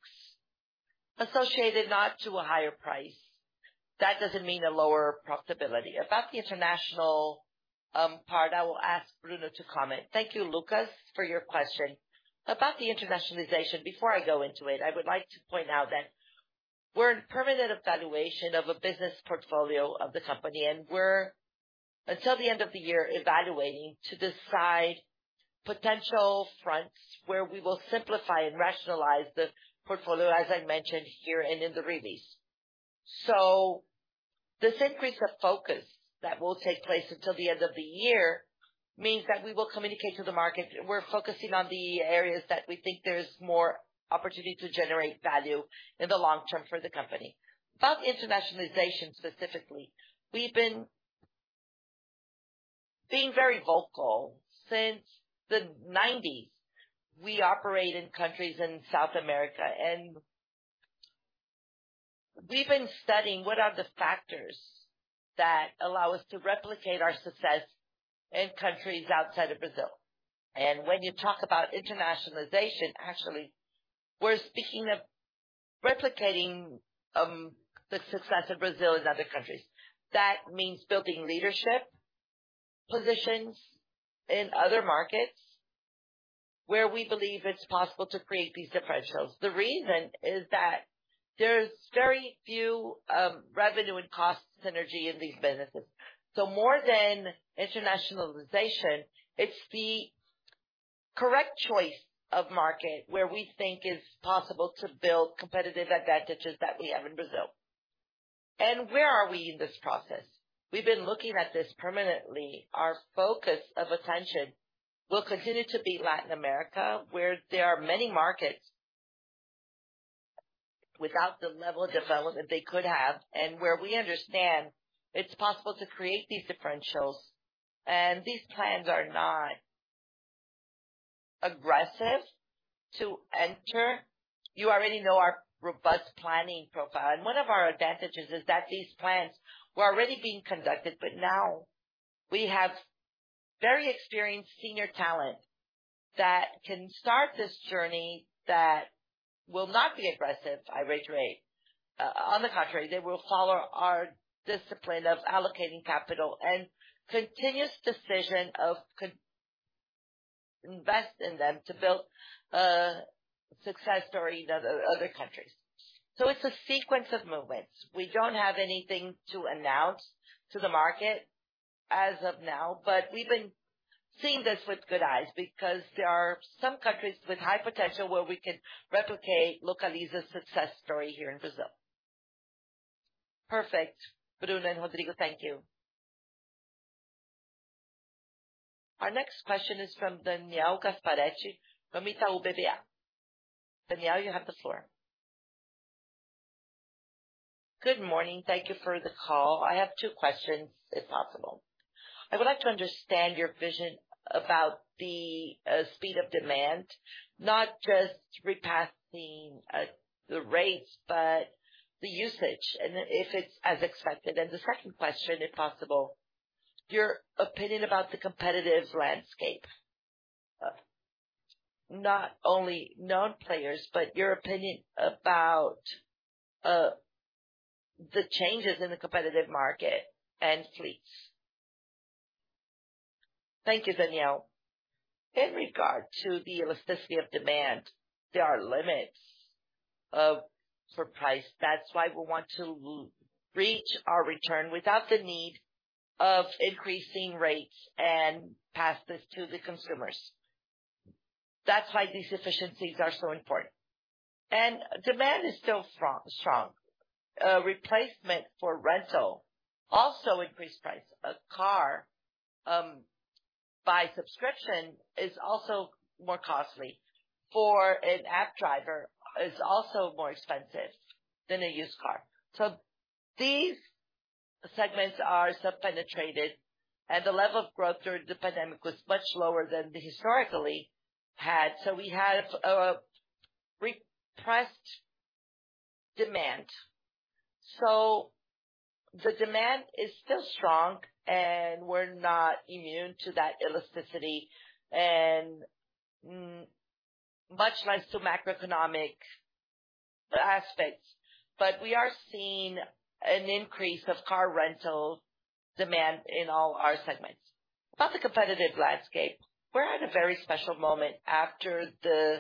associated not to a higher price. That doesn't mean a lower profitability. About the international part, I will ask Bruno to comment. Thank you, Lucas, for your question. About the internationalization, before I go into it, I would like to point out that we're in permanent evaluation of a business portfolio of the company, and we're until the end of the year evaluating to decide potential fronts where we will simplify and rationalize the portfolio, as I mentioned here and in the release. This increase of focus that will take place until the end of the year means that we will communicate to the market. We're focusing on the areas that we think there's more opportunity to generate value in the long term for the company. About internationalization specifically, we've been being very vocal since the nineties. We operate in countries in South America, and we've been studying what are the factors that allow us to replicate our success in countries outside of Brazil. When you talk about internationalization, actually, we're speaking of replicating the success of Brazil in other countries. That means building leadership positions in other markets where we believe it's possible to create these differentials. The reason is that there's very few revenue and cost synergy in these businesses. More than internationalization, it's the correct choice of market where we think it's possible to build competitive advantages that we have in Brazil. Where are we in this process? We've been looking at this permanently. Our focus of attention will continue to be Latin America, where there are many markets without the level of development they could have, and where we understand it's possible to create these differentials. These plans are not aggressive to enter. You already know our robust planning profile, and one of our advantages is that these plans were already being conducted. Now we have very experienced senior talent that can start this journey that will not be aggressive, I reiterate. On the contrary, they will follow our discipline of allocating capital and continuous decision to invest in them to build a success story in other countries. It's a sequence of movements. We don't have anything to announce to the market as of now, but we've been seeing this with good eyes because there are some countries with high potential where we can replicate Localiza's success story here in Brazil. Perfect. Bruno and Rodrigo, thank you. Our next question is from Daniel Gasparete from Itaú BBA. Daniel, you have the floor. Good morning. Thank you for the call. I have two questions, if possible. I would like to understand your vision about the speed of demand, not just repassing the rates, but the usage and if it's as expected. The second question, if possible, your opinion about the competitive landscape. Not only known players, but your opinion about the changes in the competitive market and fleets. Thank you, Daniel. In regard to the elasticity of demand, there are limits for price. That's why we want to reach our return without the need of increasing rates and pass this to the consumers. That's why these efficiencies are so important. Demand is still strong. Replacement for rental also increased price. A car by subscription is also more costly. For an app driver, is also more expensive than a used car. These segments are under-penetrated, and the level of growth during the pandemic was much lower than we historically had. We have repressed demand. The demand is still strong, and we're not immune to that elasticity and much less to macroeconomic aspects. We are seeing an increase of Car Rental demand in all our segments. About the competitive landscape, we're at a very special moment after the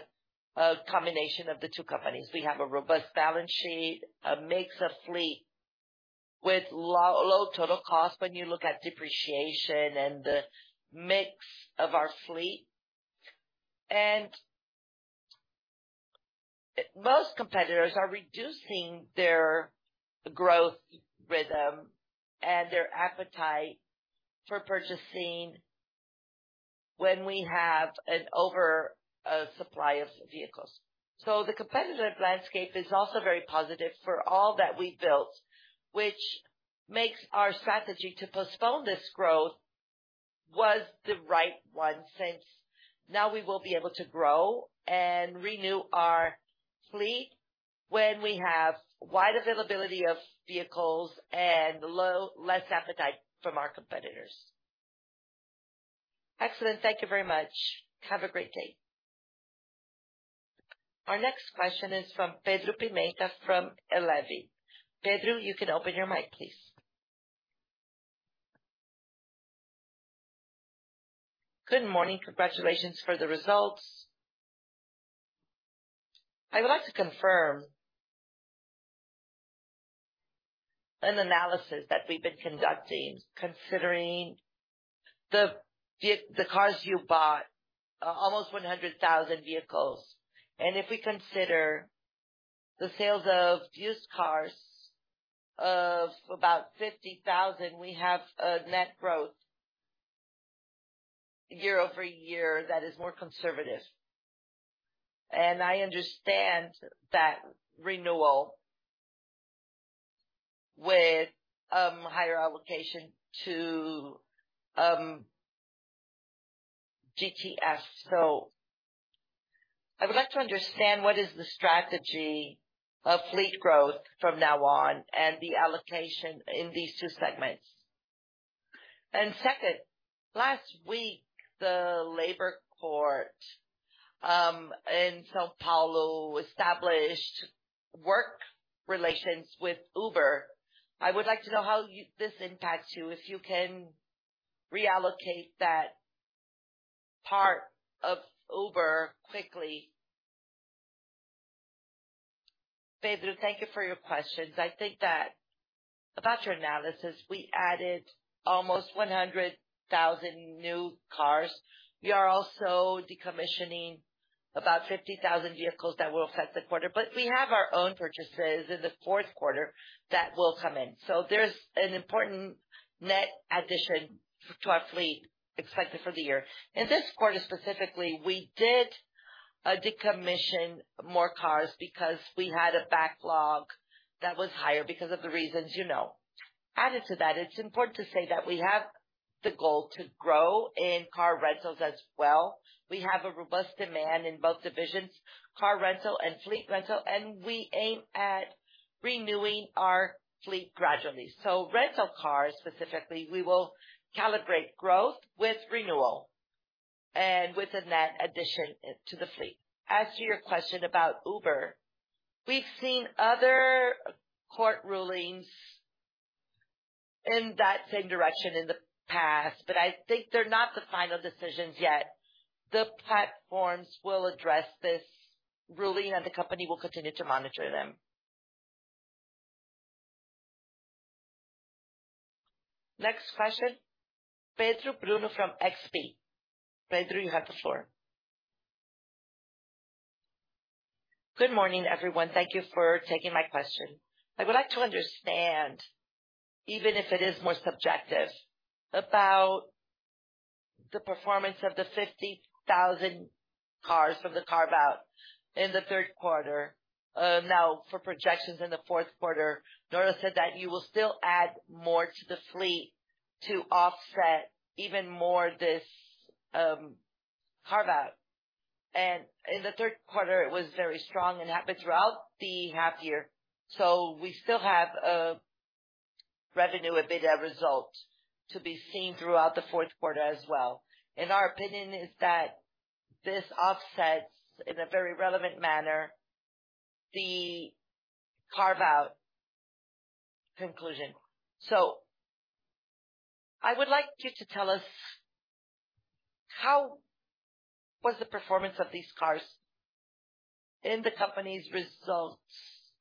combination of the two companies. We have a robust balance sheet, a mix of fleet with low total cost when you look at depreciation and the mix of our fleet. Most competitors are reducing their growth rhythm and their appetite for purchasing when we have an oversupply of vehicles. The competitive landscape is also very positive for all that we built, which makes our strategy to postpone this growth was the right one, since now we will be able to grow and renew our fleet when we have wide availability of vehicles and less appetite from our competitors. Excellent. Thank you very much. Have a great day. Our next question is from Pedro Pimenta from Eleven. Pedro, you can open your mic, please. Good morning. Congratulations for the results. I would like to confirm an analysis that we've been conducting, considering the cars you bought, almost 100,000 vehicles, and if we consider the sales of used cars of about 50,000, we have a net growth year-over-year that is more conservative. I understand that renewal with higher allocation to GTS. I would like to understand what is the strategy of fleet growth from now on and the allocation in these two segments. Second, last week, the labor court in São Paulo established work relations with Uber. I would like to know how this impacts you, if you can reallocate that part of Uber quickly. Pedro, thank you for your questions. I think that about your analysis, we added almost 100,000 new cars. We are also decommissioning about 50,000 vehicles that will affect the quarter, but we have our own purchases in the Q4 that will come in. There's an important net addition to our fleet expected for the year. In this quarter specifically, we did decommission more cars because we had a backlog that was higher because of the reasons you know. Added to that, it's important to say that we have the goal to grow in Car Rentals as well. We have a robust demand in both divisions, Car Rental and Fleet Rental, and we aim at renewing our fleet gradually. Rental cars specifically, we will calibrate growth with renewal and with a net addition to the fleet. As to your question about Uber, we've seen other court rulings in that same direction in the past, but I think they're not the final decisions yet. The platforms will address this ruling, and the company will continue to monitor them. Next question, Pedro Bruno from XP. Pedro, you have the floor. Good morning, everyone. Thank you for taking my question. I would like to understand, even if it is more subjective, about the performance of the 50,000 cars from the carve-out in the Q3. Now, for projections in the Q4, Nora said that you will still add more to the fleet to offset even more this carve-out. In the Q3, it was very strong and happened throughout the half year. We still have a revenue EBITDA result to be seen throughout the Q4 as well, and our opinion is that this offsets in a very relevant manner the carve-out conclusion. I would like you to tell us how was the performance of these cars in the company's results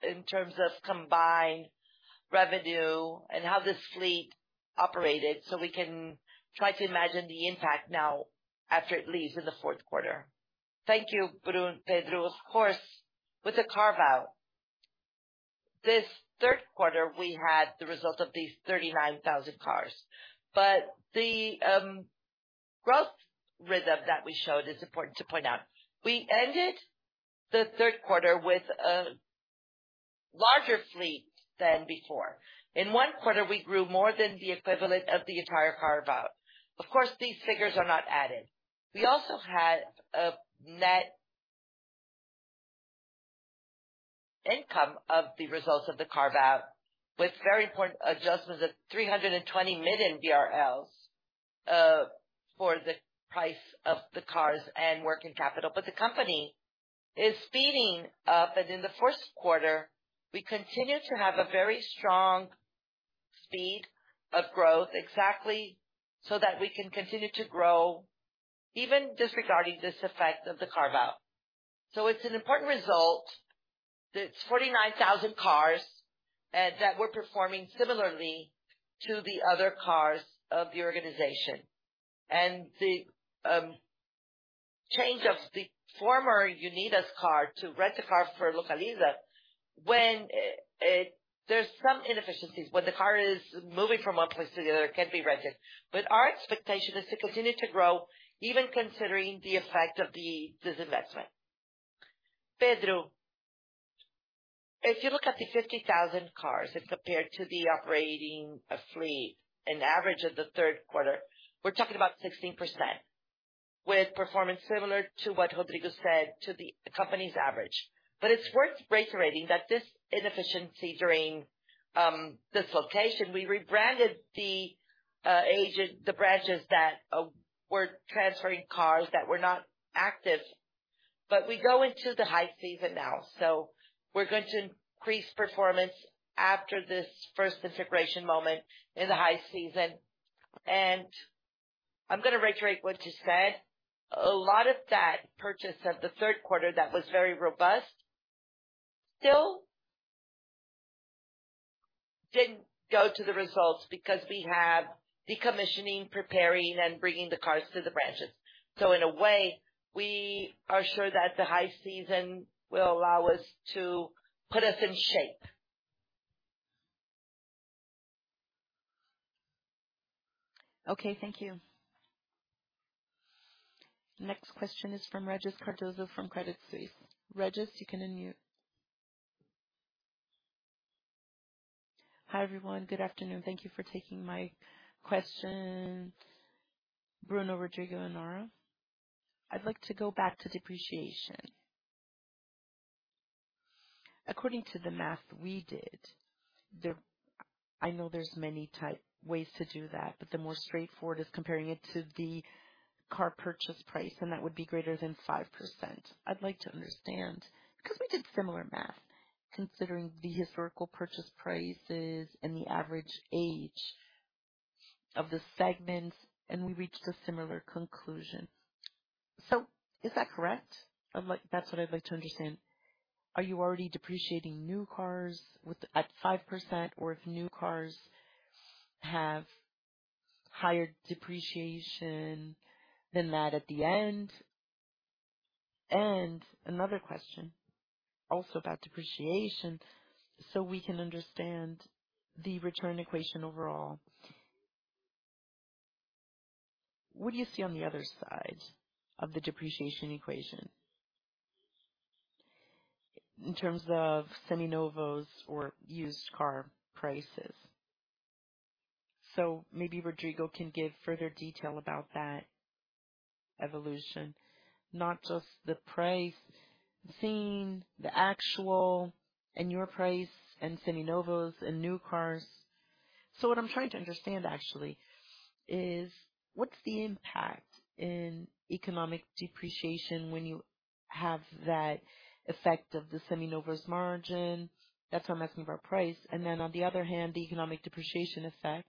in terms of combined revenue and how the fleet operated, so we can try to imagine the impact now after it leaves in the Q4. Thank you, Pedro Bruno. Of course, with the carve-out, this Q3, we had the result of these 39,000 cars. The growth rhythm that we showed is important to point out. We ended the Q3 with a larger fleet than before. In one quarter, we grew more than the equivalent of the entire carve-out. Of course, these figures are not added. We also had a net income of the results of the carve-out, with very important adjustments of 320 million BRL for the price of the cars and working capital. The company is speeding up, and in the Q1 we continue to have a very strong speed of growth, exactly so that we can continue to grow, even disregarding this effect of the carve-out. It's an important result that 49,000 cars that were performing similarly to the other cars of the organization. The change of the former Unidas car to rent-a-car for Localiza, when there's some inefficiencies when the car is moving from one place to the other, it can't be rented. Our expectation is to continue to grow, even considering the effect of the disinvestment. Pedro, if you look at the 50,000 cars as compared to the operating fleet, an average of the Q3, we're talking about 16%, with performance similar to what Rodrigo said to the company's average. It's worth reiterating that this inefficiency during this relocation, we rebranded the Unidas branches that were transferring cars that were not active. We go into the high season now, so we're going to increase performance after this first integration moment in the high season. I'm gonna reiterate what you said. A lot of that purchase of the Q3 that was very robust still didn't go to the results because we have decommissioning, preparing, and bringing the cars to the branches. In a way, we are sure that the high season will allow us to put us in shape. Okay. Thank you. Next question is from Regis Cardoso from Credit Suisse. Regis, you can unmute. Hi, everyone. Good afternoon. Thank you for taking my questions. Bruno, Rodrigo and Nora, I'd like to go back to depreciation. According to the math we did, I know there's many ways to do that, but the more straightforward is comparing it to the car purchase price, and that would be greater than 5%. I'd like to understand, because we did similar math, considering the historical purchase prices and the average age of the segments, and we reached a similar conclusion. Is that correct? That's what I'd like to understand. Are you already depreciating new cars at 5% or if new cars have higher depreciation than that at the end. Another question also about depreciation, so we can understand the return equation overall. What do you see on the other side of the depreciation equation in terms of Seminovos or used car prices? Maybe Rodrigo can give further detail about that evolution, not just the prices in, the actual unit price in Seminovos and new cars. What I'm trying to understand actually is what's the impact in economic depreciation when you have that effect of the Seminovos margin? That's the maximum of unit price. Then on the other hand, the economic depreciation effect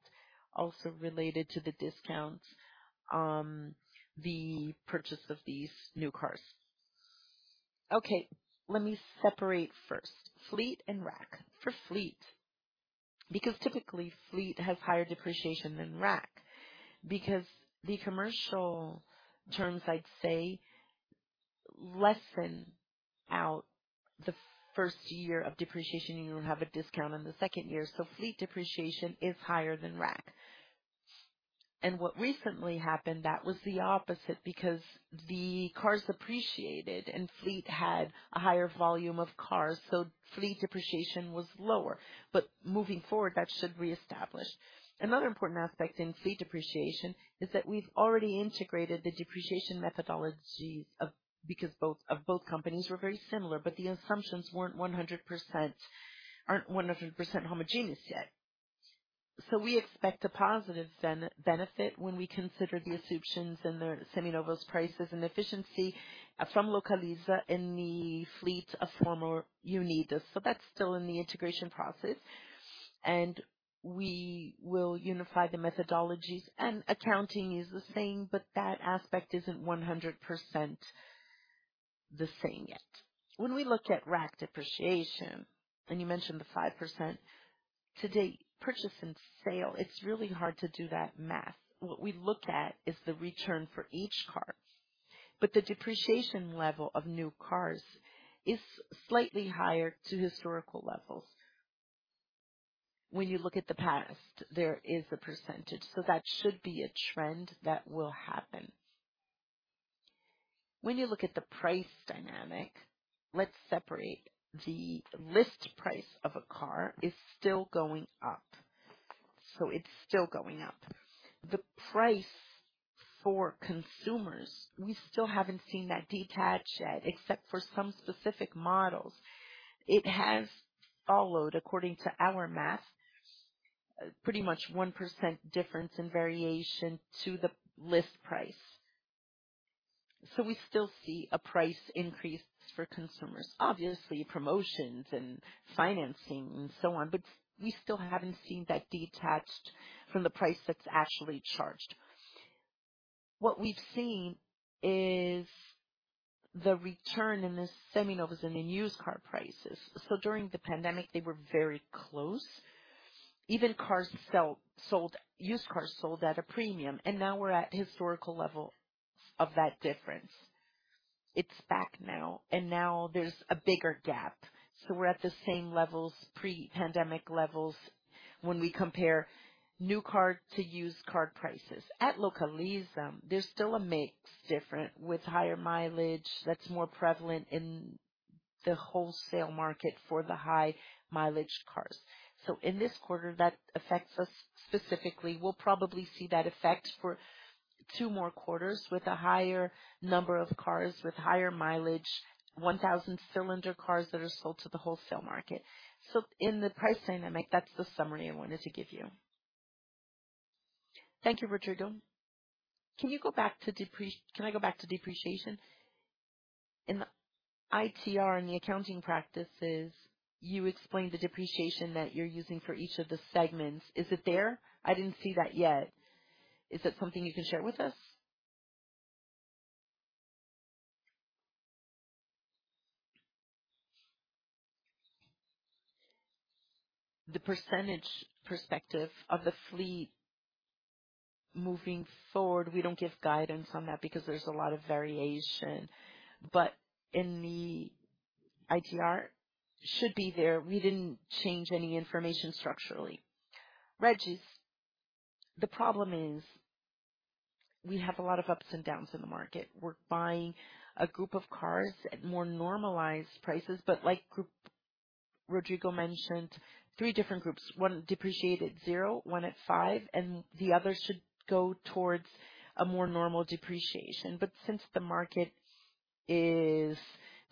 also related to the discounts on the purchase of these new cars. Okay, let me separate first fleet and RAC. For fleet, because typically fleet has higher depreciation than RAC because the commercial terms, I'd say, lessen out the first year of depreciation and you have a discount on the sec nd year. Fleet depreciation is higher than RAC. What recently happened, that was the opposite because the cars appreciated and fleet had a higher volume of cars, so fleet depreciation was lower. Moving forward, that should reestablish. Another important aspect in fleet depreciation is that we've already integrated the depreciation methodology of both companies were very similar, but the assumptions weren't 100% aren't 100% homogeneous yet. We expect a positive benefit when we consider the assumptions and the Seminovos prices and efficiency from Localiza in the fleet of former Unidas. That's still in the integration process, and we will unify the methodologies. Accounting is the same, but that aspect isn't 100% the same yet. When we look at RAC depreciation, and you mentioned the 5%, to date, purchase and sale, it's really hard to do that math. What we looked at is the return for each car, but the depreciation level of new cars is slightly higher to historical levels. When you look at the past, there is a percentage, so that should be a trend that will happen. When you look at the price dynamic, let's separate. The list price of a car is still going up, so it's still going up. The price for consumers, we still haven't seen that detached yet, except for some specific models. It has followed, according to our math, pretty much 1% difference in variation to the list price. So we still see a price increase for consumers, obviously promotions and financing and so on, but we still haven't seen that detached from the price that's actually charged. What we've seen is the return in the Seminovos and the used car prices. During the pandemic, they were very close. Even used cars sold at a premium, and now we're at historical level of that difference. It's back now and there's a bigger gap. We're at the same levels, pre-pandemic levels when we compare new car to used car prices. At Localiza, there's still a mix different with higher mileage that's more prevalent in the wholesale market for the high mileage cars. In this quarter, that affects us specifically. We'll probably see that effect for two more quarters with a higher number of cars with higher mileage, 1,000 cylinder cars that are sold to the wholesale market. In the price dynamic, that's the summary I wanted to give you. Thank you. Rodrigo, can I go back to depreciation? In the ITR, in the accounting practices, you explained the depreciation that you're using for each of the segments. Is it there? I didn't see that yet. Is it something you can share with us? The percentage perspective of the fleet moving forward, we don't give guidance on that because there's a lot of variation, but in the ITR should be there. We didn't change any information structurally. Regis, the problem is we have a lot of ups and downs in the market. We're buying a group of cars at more normalized prices. But, like, Rodrigo mentioned three different groups. One depreciated zero, one at five, and the other should go towards a more normal depreciation. Since the market is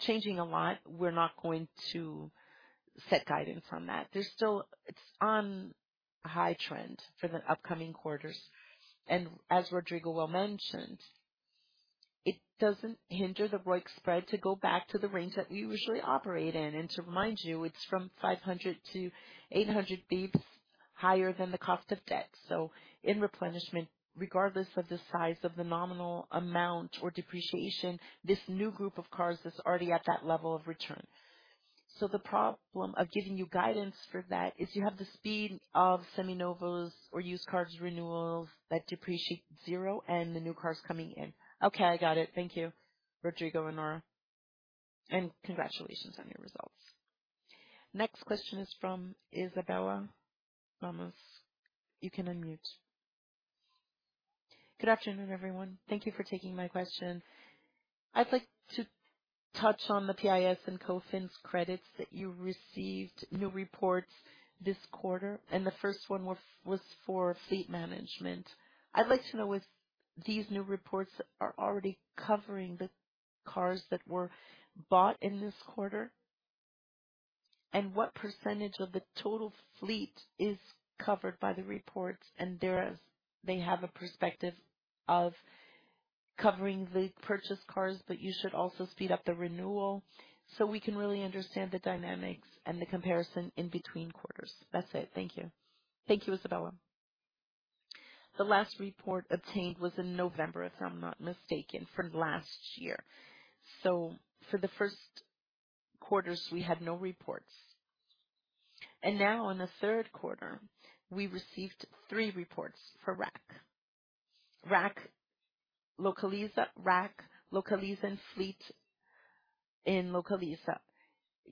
changing a lot, we're not going to set guidance on that. It's on an uptrend for the upcoming quarters. As Rodrigo well mentioned, it doesn't hinder the ROIC spread to go back to the range that we usually operate in. To remind you, it's from 500-800 basis points higher than the cost of debt. In replenishment, regardless of the size of the nominal amount or depreciation, this new group of cars is already at that level of return. The problem of giving you guidance for that is you have the speed of Seminovos or used cars renewals that depreciate zero and the new cars coming in. Okay, I got it. Thank you, Rodrigo and Nora, and congratulations on your results. Next question is from Isabella Lamas. You can unmute. Good afternoon, everyone. Thank you for taking my question. I'd like to touch on the PIS and COFINS credits that you received, new reports this quarter, and the first one was for fleet management. I'd like to know if these new reports are already covering the cars that were bought in this quarter, and what percentage of the total fleet is covered by the reports. They have a perspective of covering the purchased cars, but you should also speed up the renewal so we can really understand the dynamics and the comparison in between quarters. That's it. Thank you. Thank Isabella Lamas. The last report obtained was in November, if I'm not mistaken, from last year. For the Q1s, we had no reports. Now in the Q3, we received three reports for RAC. RAC, Localiza- RAC, Localiza and fleet in Localiza.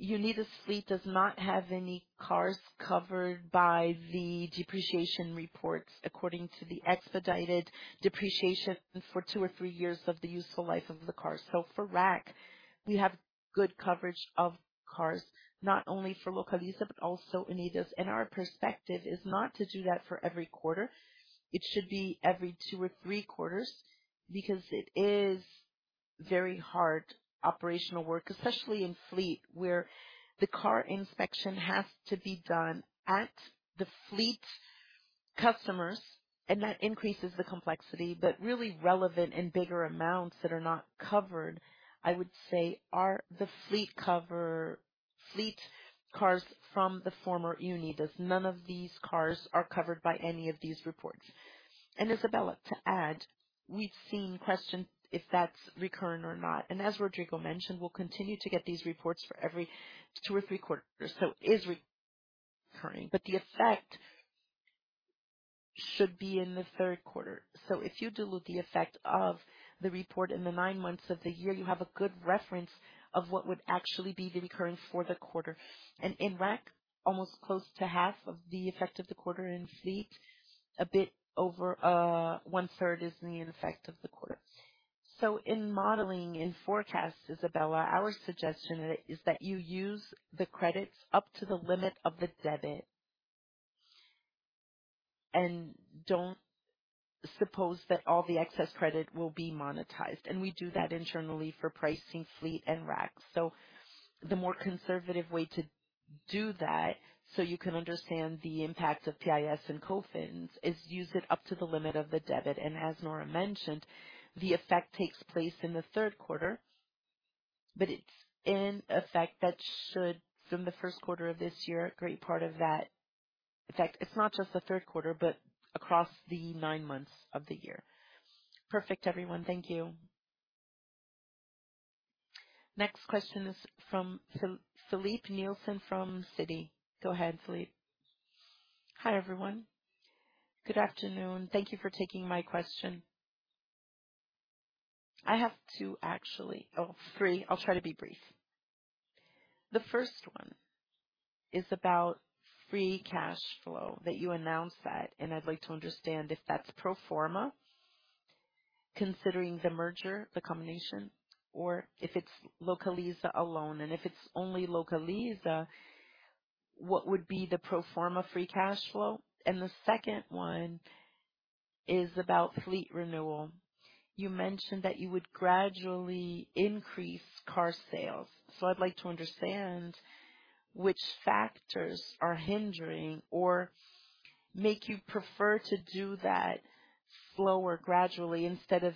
Unidas fleet does not have any cars covered by the depreciation reports according to the expedited depreciation for two or three years of the useful life of the car. For RAC, we have good coverage of cars, not only for Localiza but also Unidas. Our perspective is not to do that for every quarter. It should be every two or three quarters because it is very hard operational work, especially in fleet, where the car inspection has to be done at the fleet customers, and that increases the complexity. Really relevant and bigger amounts that are not covered, I would say are the fleet cars from the former Unidas. None of these cars are covered by any of these reports. Isabella, to add, we've seen questions if that's recurrent or not. As Rodrigo mentioned, we'll continue to get these reports for every two or three quarters. It is recurring, but the effect should be in the Q3. If you dilute the effect of the report in the nine months of the year, you have a good reference of what would actually be the recurrence for the quarter. In RAC, almost close to half of the effect of the quarter in fleet, a bit over one-third is in the effect of the quarter. In modeling, in forecast, Isabella, our suggestion is that you use the credits up to the limit of the debit. Don't suppose that all the excess credit will be monetized. We do that internally for pricing fleet and RAC. The more conservative way to do that, so you can understand the impact of PIS and COFINS, is use it up to the limit of the credit. As Nora mentioned, the effect takes place in the Q3, but it's an effect that should, from the Q1 of this year, a great part of that effect. It's not just the Q3, but across the nine months of the year. Perfect, everyone. Thank you. Next question is from Filipe Nielsen from Citi. Go ahead, Filipe. Hi, everyone. Good afternoon. Thank you for taking my question. I have two, actually. Oh, three. I'll try to be brief. The first one is about free cash flow that you announced that, and I'd like to understand if that's pro forma, considering the merger, the combination, or if it's Localiza alone, and if it's only Localiza, what would be the pro forma free cash flow? The second one is about fleet renewal. You mentioned that you would gradually increase car sales. So I'd like to understand which factors are hindering or make you prefer to do that slower, gradually, instead of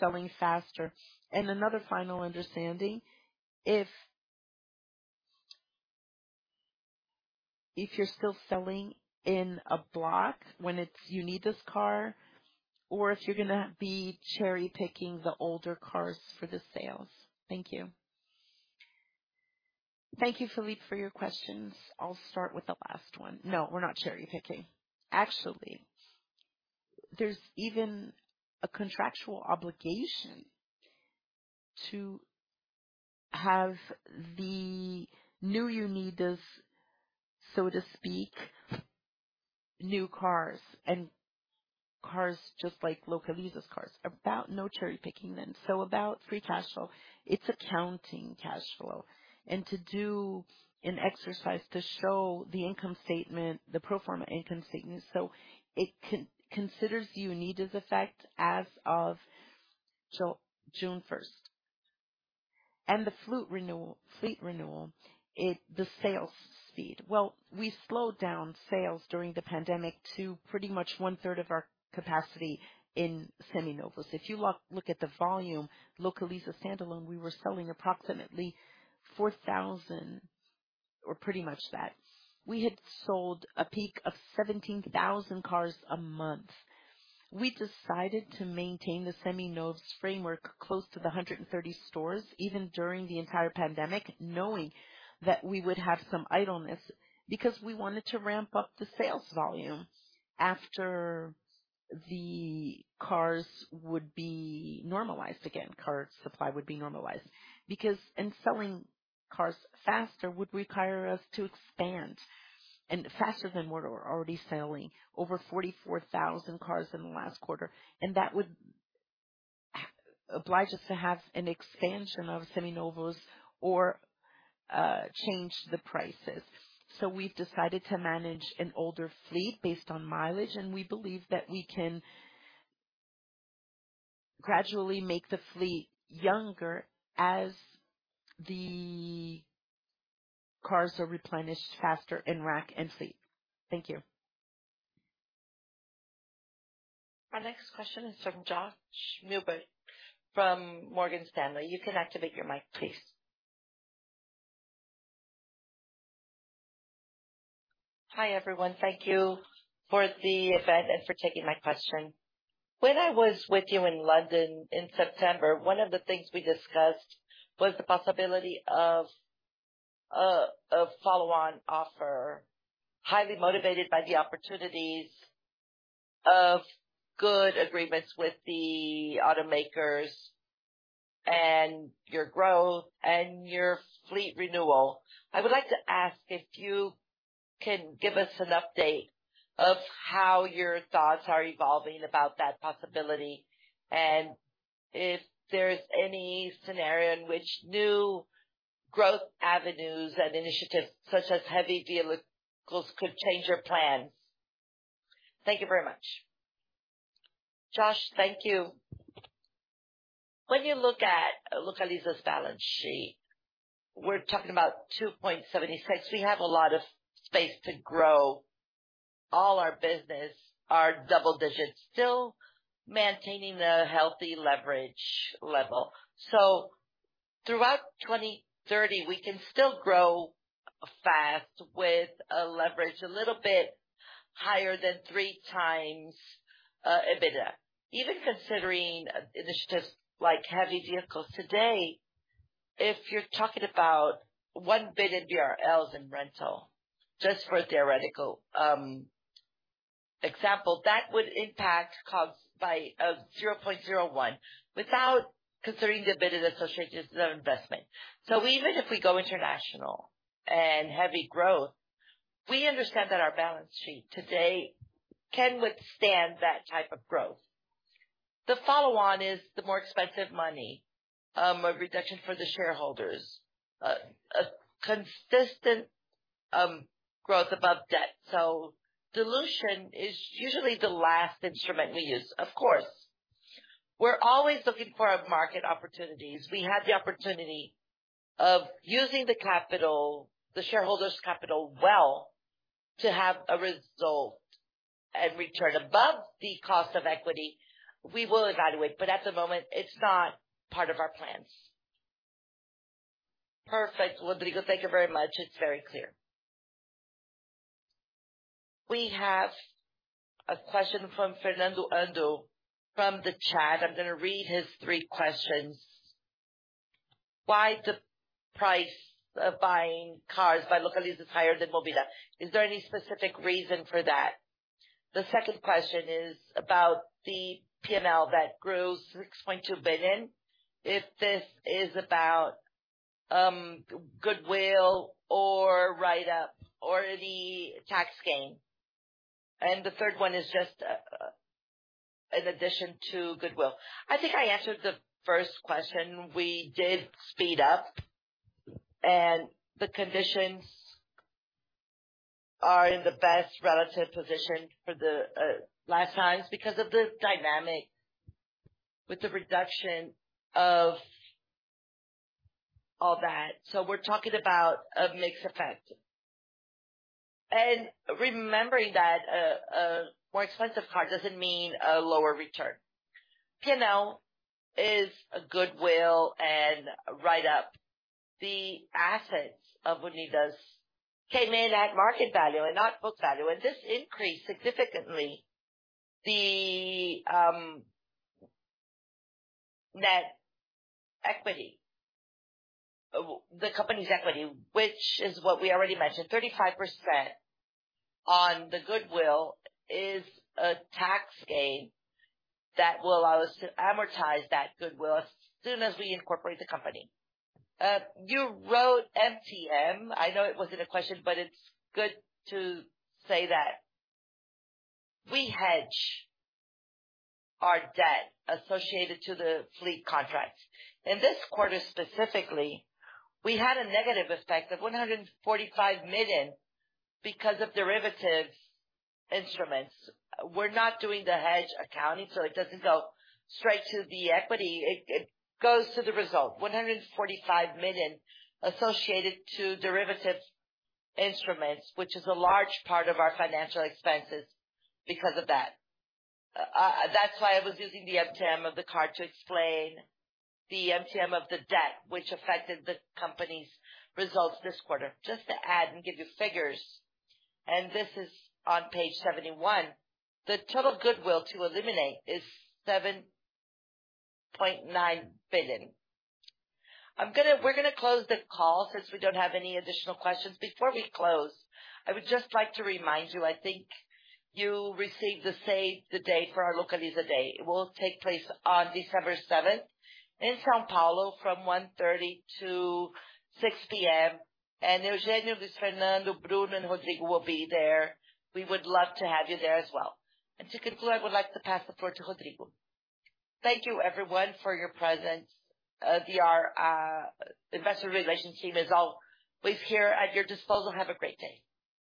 selling faster. Another final understanding, if you're still selling in a block when it's Unidas car or if you're gonna be cherry-picking the older cars for the sales. Thank you. Thank you, Filipe, for your questions. I'll start with the last one. No, we're not cherry-picking. Actually, there's even a contractual obligation to have the new Unidas, so to speak, new cars and cars just like Localiza's cars. About no cherry-picking then. About free cash flow, it's accounting cash flow. To do an exercise to show the income statement, the pro forma income statement. It considers Unidas effect as of June first. The fleet renewal, the sales speed. Well, we slowed down sales during the pandemic to pretty much one-third of our capacity in Seminovos. If you look at the volume, Localiza standalone, we were selling approximately 4,000- pretty much that. We had sold a peak of 17,000 cars a month. We decided to maintain the Seminovos framework close to the 130 stores, even during the entire pandemic, knowing that we would have some idleness because we wanted to ramp up the sales volume after the cars would be normalized again, car supply would be normalized. Because and selling cars faster would require us to expand and faster than what we're already selling, over 44,000 cars in the last quarter. That would oblige us to have an expansion of Seminovos or change the prices. We've decided to manage an older fleet based on mileage, and we believe that we can gradually make the fleet younger as the cars are replenished faster in RAC and fleet. Thank you. Our next question is from Josh Milberg from Morgan Stanley. You can activate your mic, please. Hi, everyone. Thank you for the event and for taking my question. When I was with you in London in September, one of the things we discussed was the possibility of a follow-on offer, highly motivated by the opportunities of good agreements with the automakers and your growth and your fleet renewal. I would like to ask if you can give us an update of how your thoughts are evolving about that possibility, and if there is any scenario in which new growth avenues and initiatives such as heavy vehicles could change your plans. Thank you very much. Josh, thank you. When you look at Localiza's balance sheet, we're talking about 2.76. We have a lot of space to grow all our business are double digits, still maintainin a healthy leverage level. Throughout 2030, we can still grow fast with a leverage a little bit higher than 3x EBITDA. Even considering initiatives like heavy vehicles today, if you're talking about 1 billion BRL in rental, just for a theoretical example, that would impact costs by 0.01 without considering the benefit of associated investment. Even if we go international and heavy growth, we understand that our balance sheet today can withstand that type of growth. The follow-on is the more expensive money, a return for the shareholders, a consistent growth above debt. Dilution is usually the last instrument we use. Of course, we're always looking for our market opportunities. We have the opportunity of using the capital, the shareholders' capital well to have a result and return above the cost of equity, we will evaluate. At the moment, it's not part of our plans. Perfect. Rodrigo, thank you very much. It's very clear. We have a question from Fernando Ando from the chat. I'm gonna read his three questions. Why the price of buying cars by Localiza is higher than Movida? Is there any specific reason for that? The second question is about the P&L that grew 6.2 billion. If this is about goodwill or write-up or the tax gain. The third one is just in addition to goodwill. I think I answered the first question. We did speed up, and the conditions are in the best relative position for the last times because of the dynamic with the reduction of all that. We're talking about a mixed effect. Remembering that a more expensive car doesn't mean a lower return. P&L is a goodwill and write-up. The assets of Unidas came in at market value and not book value, and this increased significantly the net equity, the company's equity, which is what we already mentioned, 35% on the goodwill is a tax gain that will allow us to amortize that goodwill as soon as we incorporate the company. You wrote MTM. I know it wasn't a question, but it's good to say that we hedge our debt associated to the fleet contracts. In this quarter specifically, we had a negative effect of 145 million because of derivatives instruments. We're not doing the hedge accounting, so it doesn't go straight to the equity. It goes to the result. 145 million associated to derivatives instruments, which is a large part of our financial expenses because of that. That's why I was using the MTM of the car to explain the MTM of the debt which affected the company's results this quarter. Just to add and give you figures, and this is on page 71. The total goodwill to eliminate is 7.9 billion. We're gonna close the call since we don't have any additional questions. Before we close, I would just like to remind you, I think you received the save the date for our Localiza Day- it will take place on December 7th in São Paulo from 1:30 P.M. to 6 P.M. Eugenio, Luis Fernando, Bruno, and Rodrigo will be there. We would love to have you there as well. To conclude, I would like to pass the floor to Rodrigo. Thank you everyone for your presence. The Investor Relations team is always here at your disposal. Have a great day.